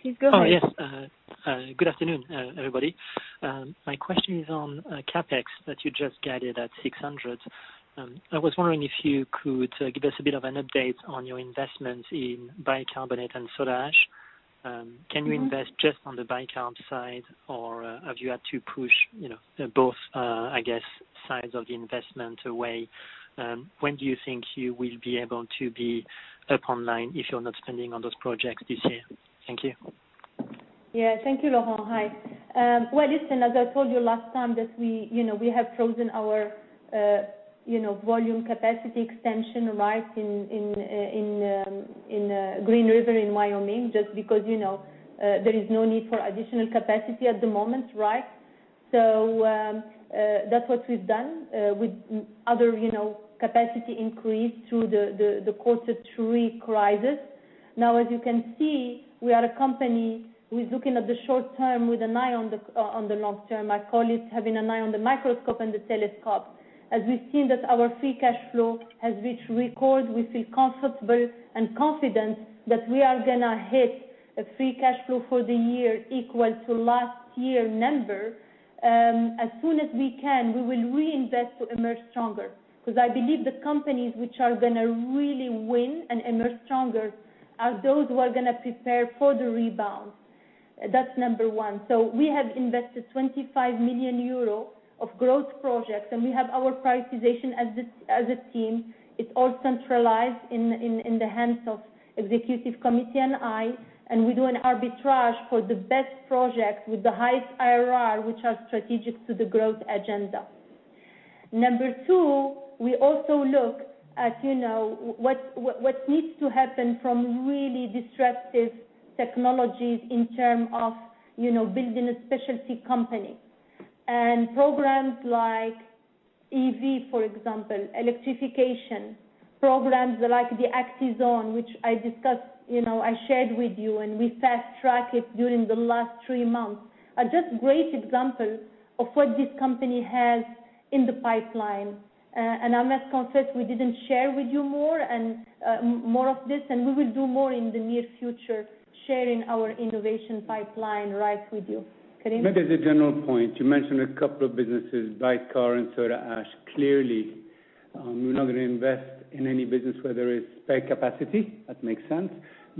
Please go ahead. Oh, yes. Good afternoon, everybody. My question is on CapEx that you just guided at 600 million. I was wondering if you could give us a bit of an update on your investments in bicarbonate and soda ash. Can you invest just on the bicarb side or have you had to push both, I guess, sides of the investment away? When do you think you will be able to be up online if you're not spending on those projects this year? Thank you. Thank you, Laurent. Hi. Listen, as I told you last time that we have frozen our volume capacity extension right in Green River in Wyoming, just because there is no need for additional capacity at the moment, right? That's what we've done with other capacity increase through the course of three crises. As you can see, we are a company who is looking at the short term with an eye on the long term. I call it having an eye on the microscope and the telescope. As we've seen that our free cash flow has reached record, we feel comfortable and confident that we are going to hit a free cash flow for the year equal to last year number. As soon as we can, we will reinvest to emerge stronger. I believe the companies which are going to really win and emerge stronger are those who are going to prepare for the rebound. That's number one. We have invested 25 million euro of growth projects, and we have our prioritization as a team. It's all centralized in the hands of Executive Committee and I, and we do an arbitrage for the best projects with the highest IRR, which are strategic to the growth agenda. Number two, we also look at what needs to happen from really disruptive technologies in terms of building a specialty company. Programs like EV, for example, electrification, and programs like the Actizone, which I discussed, I shared with you, and we fast-tracked it during the last three months, are just great examples of what this company has in the pipeline. I must confess, we didn't share with you more of this, and we will do more in the near future, sharing our innovation pipeline right with you. Karim? Maybe as a general point, you mentioned a couple of businesses, bicarb and soda ash. Clearly, we're not going to invest in any business where there is spare capacity. That makes sense.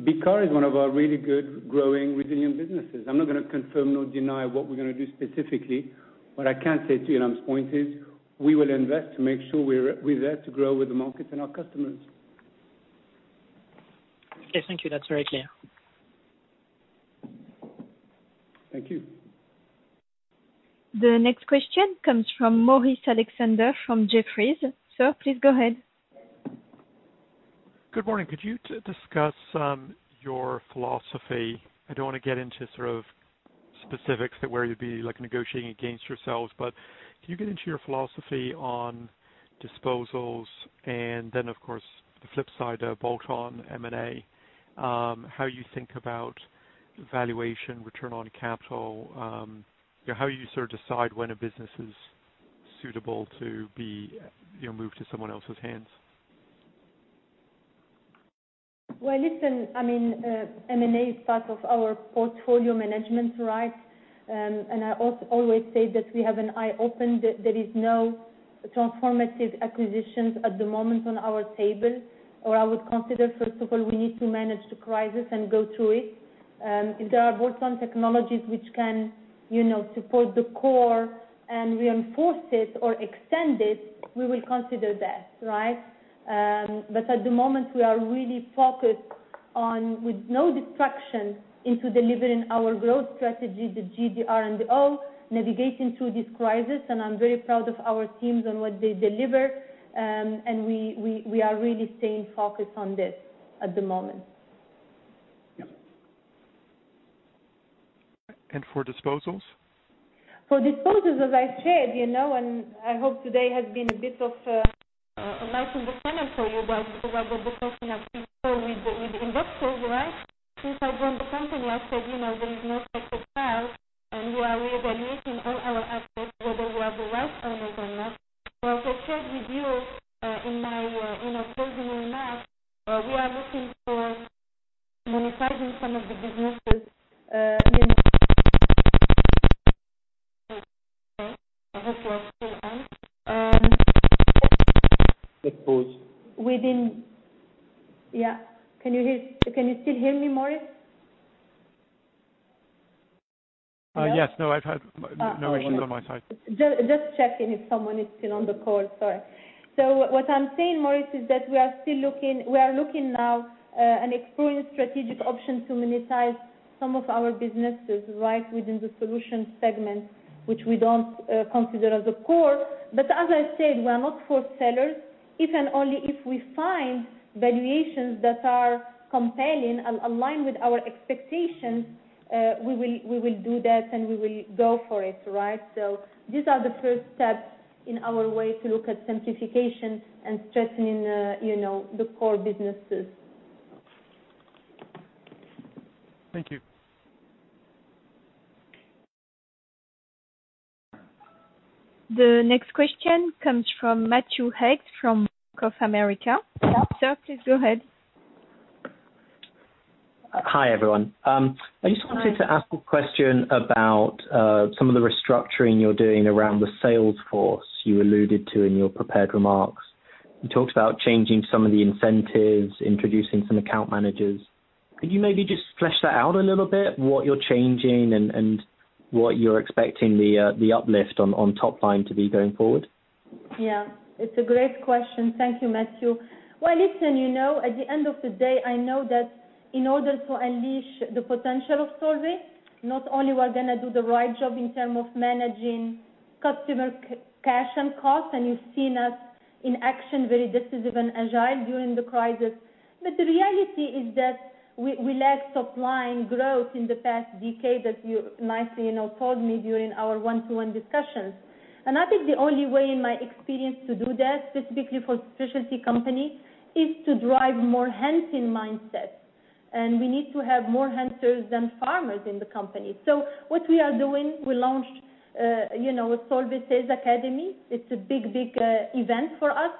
Bicarb is one of our really good growing resilient businesses. I'm not going to confirm nor deny what we're going to do specifically. What I can say to you on this point is, we will invest to make sure we're there to grow with the market and our customers. Okay, thank you. That's very clear. Thank you. The next question comes from [Laurence] Alexander from Jefferies. Sir, please go ahead. Good morning. Could you discuss your philosophy? I don't want to get into sort of specifics that where you'd be negotiating against yourselves, but can you get into your philosophy on disposals and then, of course, the flip side, bolt-on M&A, how you think about valuation, return on capital, how you sort of decide when a business is suitable to be moved to someone else's hands? Well, listen, M&A is part of our portfolio management, right? I always say that we have an eye open. There is no transformative acquisitions at the moment on our table, or I would consider, first of all, we need to manage the crisis and go through it. If there are bolt-on technologies which can support the core and reinforce it or extend it, we will consider that. Right? At the moment, we are really focused on, with no distraction, into delivering our growth strategy, the G.R.O.W., navigating through this crisis, and I'm very proud of our teams on what they deliver. We are really staying focused on this at the moment. Yeah. For disposals? For disposals, as I said, and I hope today has been a bit of a nice understanding for you because we were both talking as before with investors, right? Since I joined the company, I said there is no sacred cow, and we are reevaluating all our assets, whether we have the right owner or not. As I shared with you in my closing remarks, we are looking for monetizing some of the businesses. Let's pause. Yeah. Can you still hear me, Laurence? Yes. No issues on my side. Just checking if someone is still on the call. Sorry. What I'm saying, Laurence, is that we are looking now and exploring strategic options to monetize some of our businesses right within the Solutions segment, which we don't consider as a core. As I said, we are not forced sellers. If and only if we find valuations that are compelling, align with our expectations, we will do that, and we will go for it. Right? These are the first steps in our way to look at simplification and strengthening the core businesses. Thank you. The next question comes from Matthew Yates from Bank of America. Sir, please go ahead. Hi, everyone. Hi. I just wanted to ask a question about some of the restructuring you're doing around the sales force you alluded to in your prepared remarks. You talked about changing some of the incentives, introducing some account managers. Could you maybe just flesh that out a little bit, what you're changing and what you're expecting the uplift on top line to be going forward? Yeah, it's a great question. Thank you, Matthew. Well, listen, at the end of the day, I know that in order to unleash the potential of Solvay, not only we're going to do the right job in terms of managing customer cash and cost, and you've seen us in action, very decisive and agile during the crisis. The reality is that we lacked top-line growth in the past decade, as you nicely told me during our one-to-one discussions. I think the only way in my experience to do that, specifically for specialty companies, is to drive more hunting mindsets. We need to have more hunters than farmers in the company. What we are doing, we launched Solvay Sales Academy. It's a big event for us,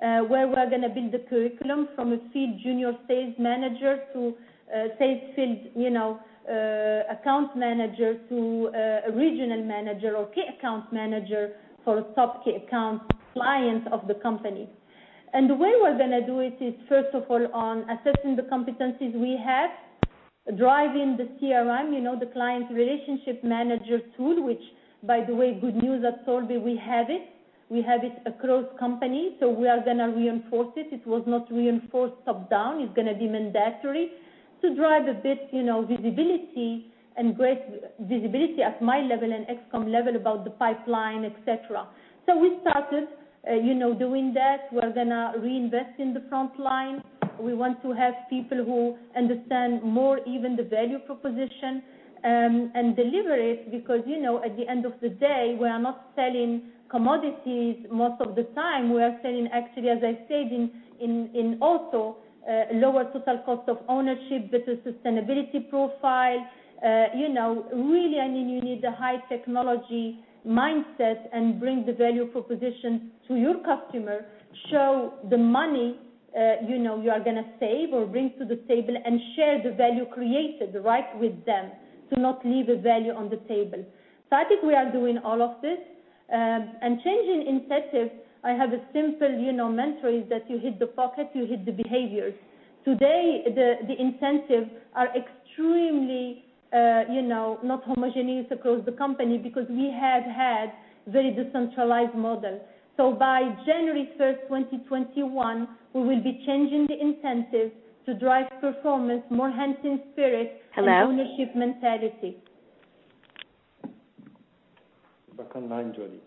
where we're going to build a curriculum from a seed junior sales manager to a sales field account manager to a regional manager or key account manager for top key account clients of the company. The way we're going to do it is, first of all, on assessing the competencies we have, driving the CRM, the Client Relationship Manager tool, which by the way, good news at Solvay, we have it. We have it across company, so we are going to reinforce it. It was not reinforced top-down. It's going to be mandatory to drive a bit visibility and great visibility at my level and ExCom level about the pipeline, et cetera. We started doing that. We're going to reinvest in the front line. We want to have people who understand more even the value proposition, and deliver it because, at the end of the day, we are not selling commodities most of the time. We are selling actually, as I said, in also lower total cost of ownership with a sustainability profile. Really, you need a high technology mindset and bring the value proposition to your customer, show the money you are going to save or bring to the table, and share the value created with them, to not leave a value on the table. I think we are doing all of this. Changing incentive, I have a simple mantra is that you hit the pocket, you hit the behaviors. Today, the incentives are extremely not homogeneous across the company because we have had very decentralized model. By January 1st, 2021, we will be changing the incentives to drive performance, more hunting spirit. Ownership mentality. Back online, Jodi.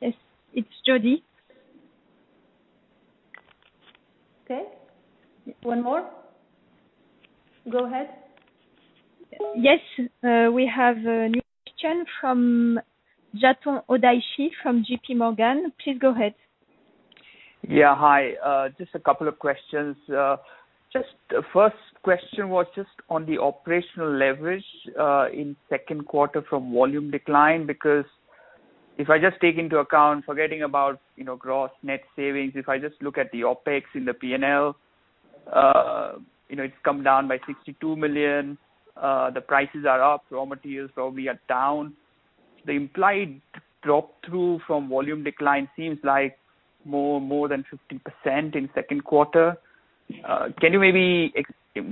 Yes. It's Jodi. Okay. One more. Go ahead. Yes. We have a new question from Chetan Udeshi from JPMorgan. Please go ahead. Yeah, hi. Just a couple of questions. First question was just on the operational leverage in second quarter from volume decline. If I just take into account, forgetting about gross net savings, if I just look at the OpEx in the P&L, it's come down by 62 million. The prices are up, raw materials probably are down. The implied drop-through from volume decline seems like more than 50% in second quarter. Can you maybe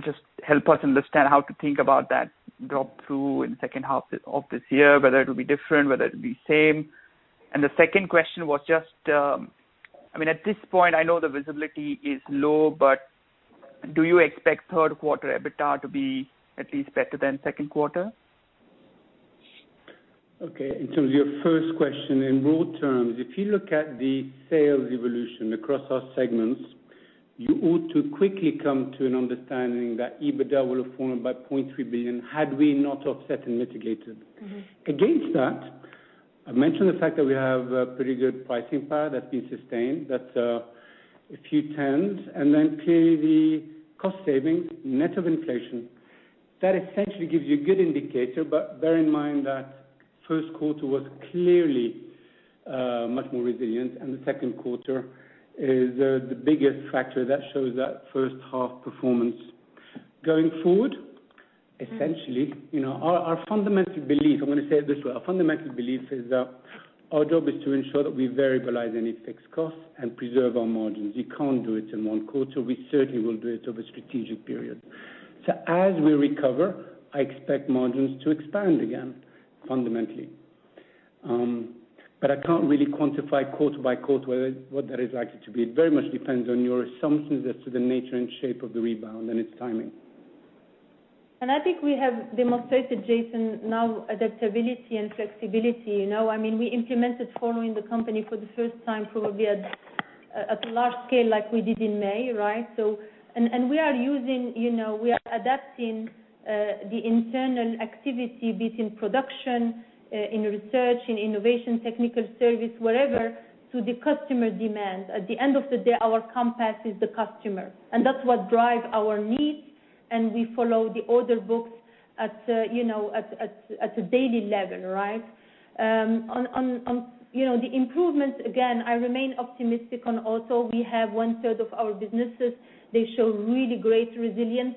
just help us understand how to think about that drop-through in the second half of this year, whether it'll be different, whether it'll be the same? The second question was just, at this point, I know the visibility is low, but do you expect third quarter EBITDA to be at least better than second quarter? Okay, in terms of your first question, in raw terms, if you look at the sales evolution across our segments, you ought to quickly come to an understanding that EBITDA will have fallen by 0.3 billion had we not offset and mitigated. I mentioned the fact that we have a pretty good pricing power that's been sustained, that's a few tens. Clearly the cost savings, net of inflation, that essentially gives you a good indicator, but bear in mind that first quarter was clearly much more resilient, and the second quarter is the biggest factor that shows that first-half performance. Going forward, essentially, our fundamental belief, I'm going to say it this way, our fundamental belief is that our job is to ensure that we variabilize any fixed costs and preserve our margins. We can't do it in one quarter. We certainly will do it over a strategic period. As we recover, I expect margins to expand again, fundamentally. I can't really quantify quarter by quarter what that is likely to be. It very much depends on your assumptions as to the nature and shape of the rebound and its timing. I think we have demonstrated, Chetan, now adaptability and flexibility. We implemented following the company for the first time probably at a large scale like we did in May, right? We are adapting the internal activity be it in production, in research, in innovation, technical service, whatever, to the customer demand. At the end of the day, our compass is the customer, and that's what drives our needs, and we follow the order books at a daily level, right? On the improvements, again, I remain optimistic on Auto. We have one-third of our businesses. They show really great resilience.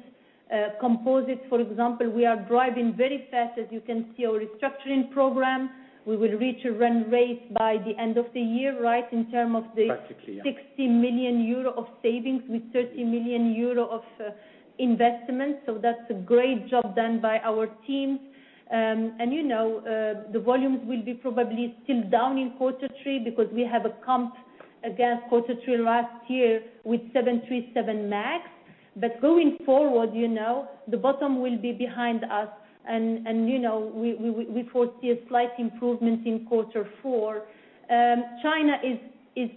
Composites, for example, we are driving very fast, as you can see, our restructuring program. We will reach a run rate by the end of the year, right, in term of the-- Practically, yeah. 60 million euro of savings with 30 million euro of investment. That's a great job done by our teams. The volumes will be probably still down in quarter three because we have a comp against quarter three last year with 737 MAX. Going forward, the bottom will be behind us, and we foresee a slight improvement in quarter four. China is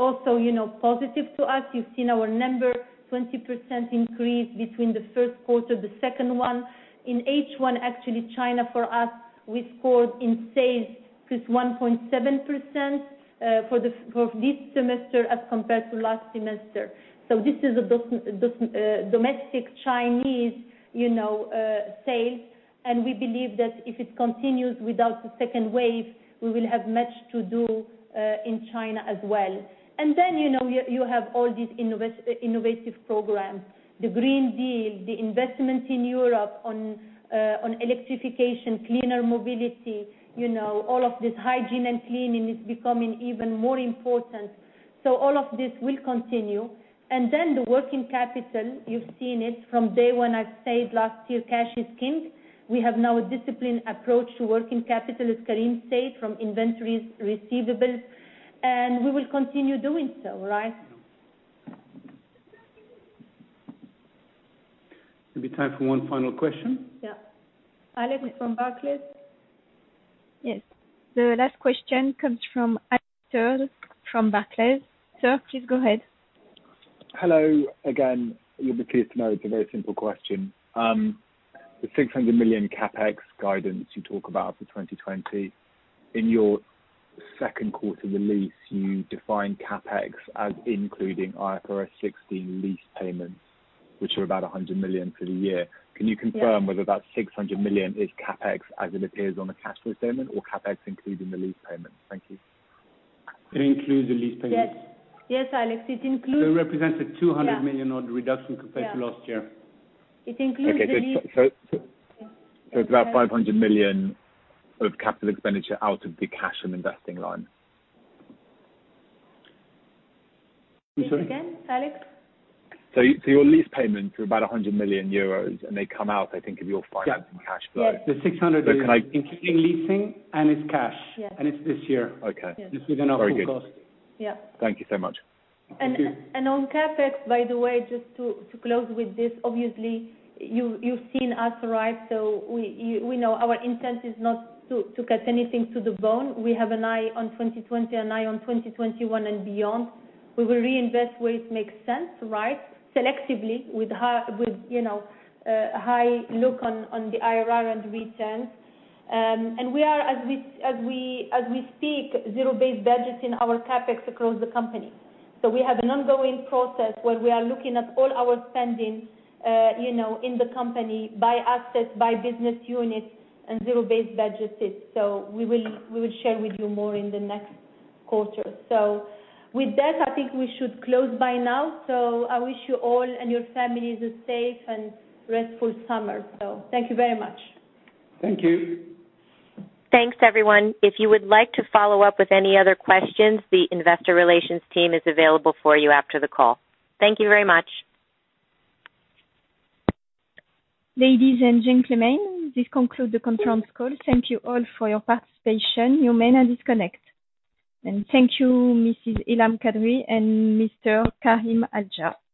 also positive to us. You've seen our number, 20% increase between the first quarter, the second one. In H1, actually, China for us, we scored in sales +1.7% for this semester as compared to last semester. This is a domestic Chinese sale, and we believe that if it continues without a second wave, we will have much to do in China as well. You have all these innovative programs, the Green Deal, the investments in Europe on electrification, cleaner mobility, all of this hygiene and cleaning is becoming even more important. All of this will continue. The working capital, you've seen it from day one. I've said last year, cash is king. We have now a disciplined approach to working capital, as Karim said, from inventories, receivables, and we will continue doing so, right? There'll be time for one final question. Yeah. Alex from Barclays. Yes. The last question comes from Alex Stewart from Barclays. Sir, please go ahead. Hello again. You'll be pleased to know it's a very simple question. The 600 million CapEx guidance you talk about for 2020, in your second quarter release, you define CapEx as including IFRS 16 lease payments, which are about 100 million for the year. Can you confirm whether that 600 million is CapEx as it appears on the cash flow statement or CapEx including the lease payment? Thank you. It includes the lease payment. Yes. Yes, Alex. It represents a 200 million odd reduction compared to last year. It includes the lease-- Okay, it's about 500 million of capital expenditure out of the cash from investing line. Say it again, Alex. Your lease payments are about 100 million euros, and they come out, I think, of your financing cash flow. Yeah. The 600 million including leasing, and it's cash. It's this year. Okay. This is an upfront cost. Yeah. Thank you so much. Thank you. On CapEx, by the way, just to close with this, obviously, you've seen us, right? We know our intent is not to cut anything to the bone. We have an eye on 2020, an eye on 2021 and beyond. We will reinvest where it makes sense, right? Selectively with a high look on the IRR and returns. We are, as we speak, zero-based budgeting our CapEx across the company. We have an ongoing process where we are looking at all our spending in the company by asset, by business unit, and zero-based budgeting. We will share with you more in the next quarter. With that, I think we should close by now. I wish you all and your families a safe and restful summer. Thank you very much. Thank you. Thanks, everyone. If you would like to follow up with any other questions, the investor relations team is available for you after the call. Thank you very much. Ladies and gentlemen, this concludes the conference call. Thank you all for your participation. You may now disconnect. Thank you, Mrs. Ilham Kadri and Mr. Karim Hajjar.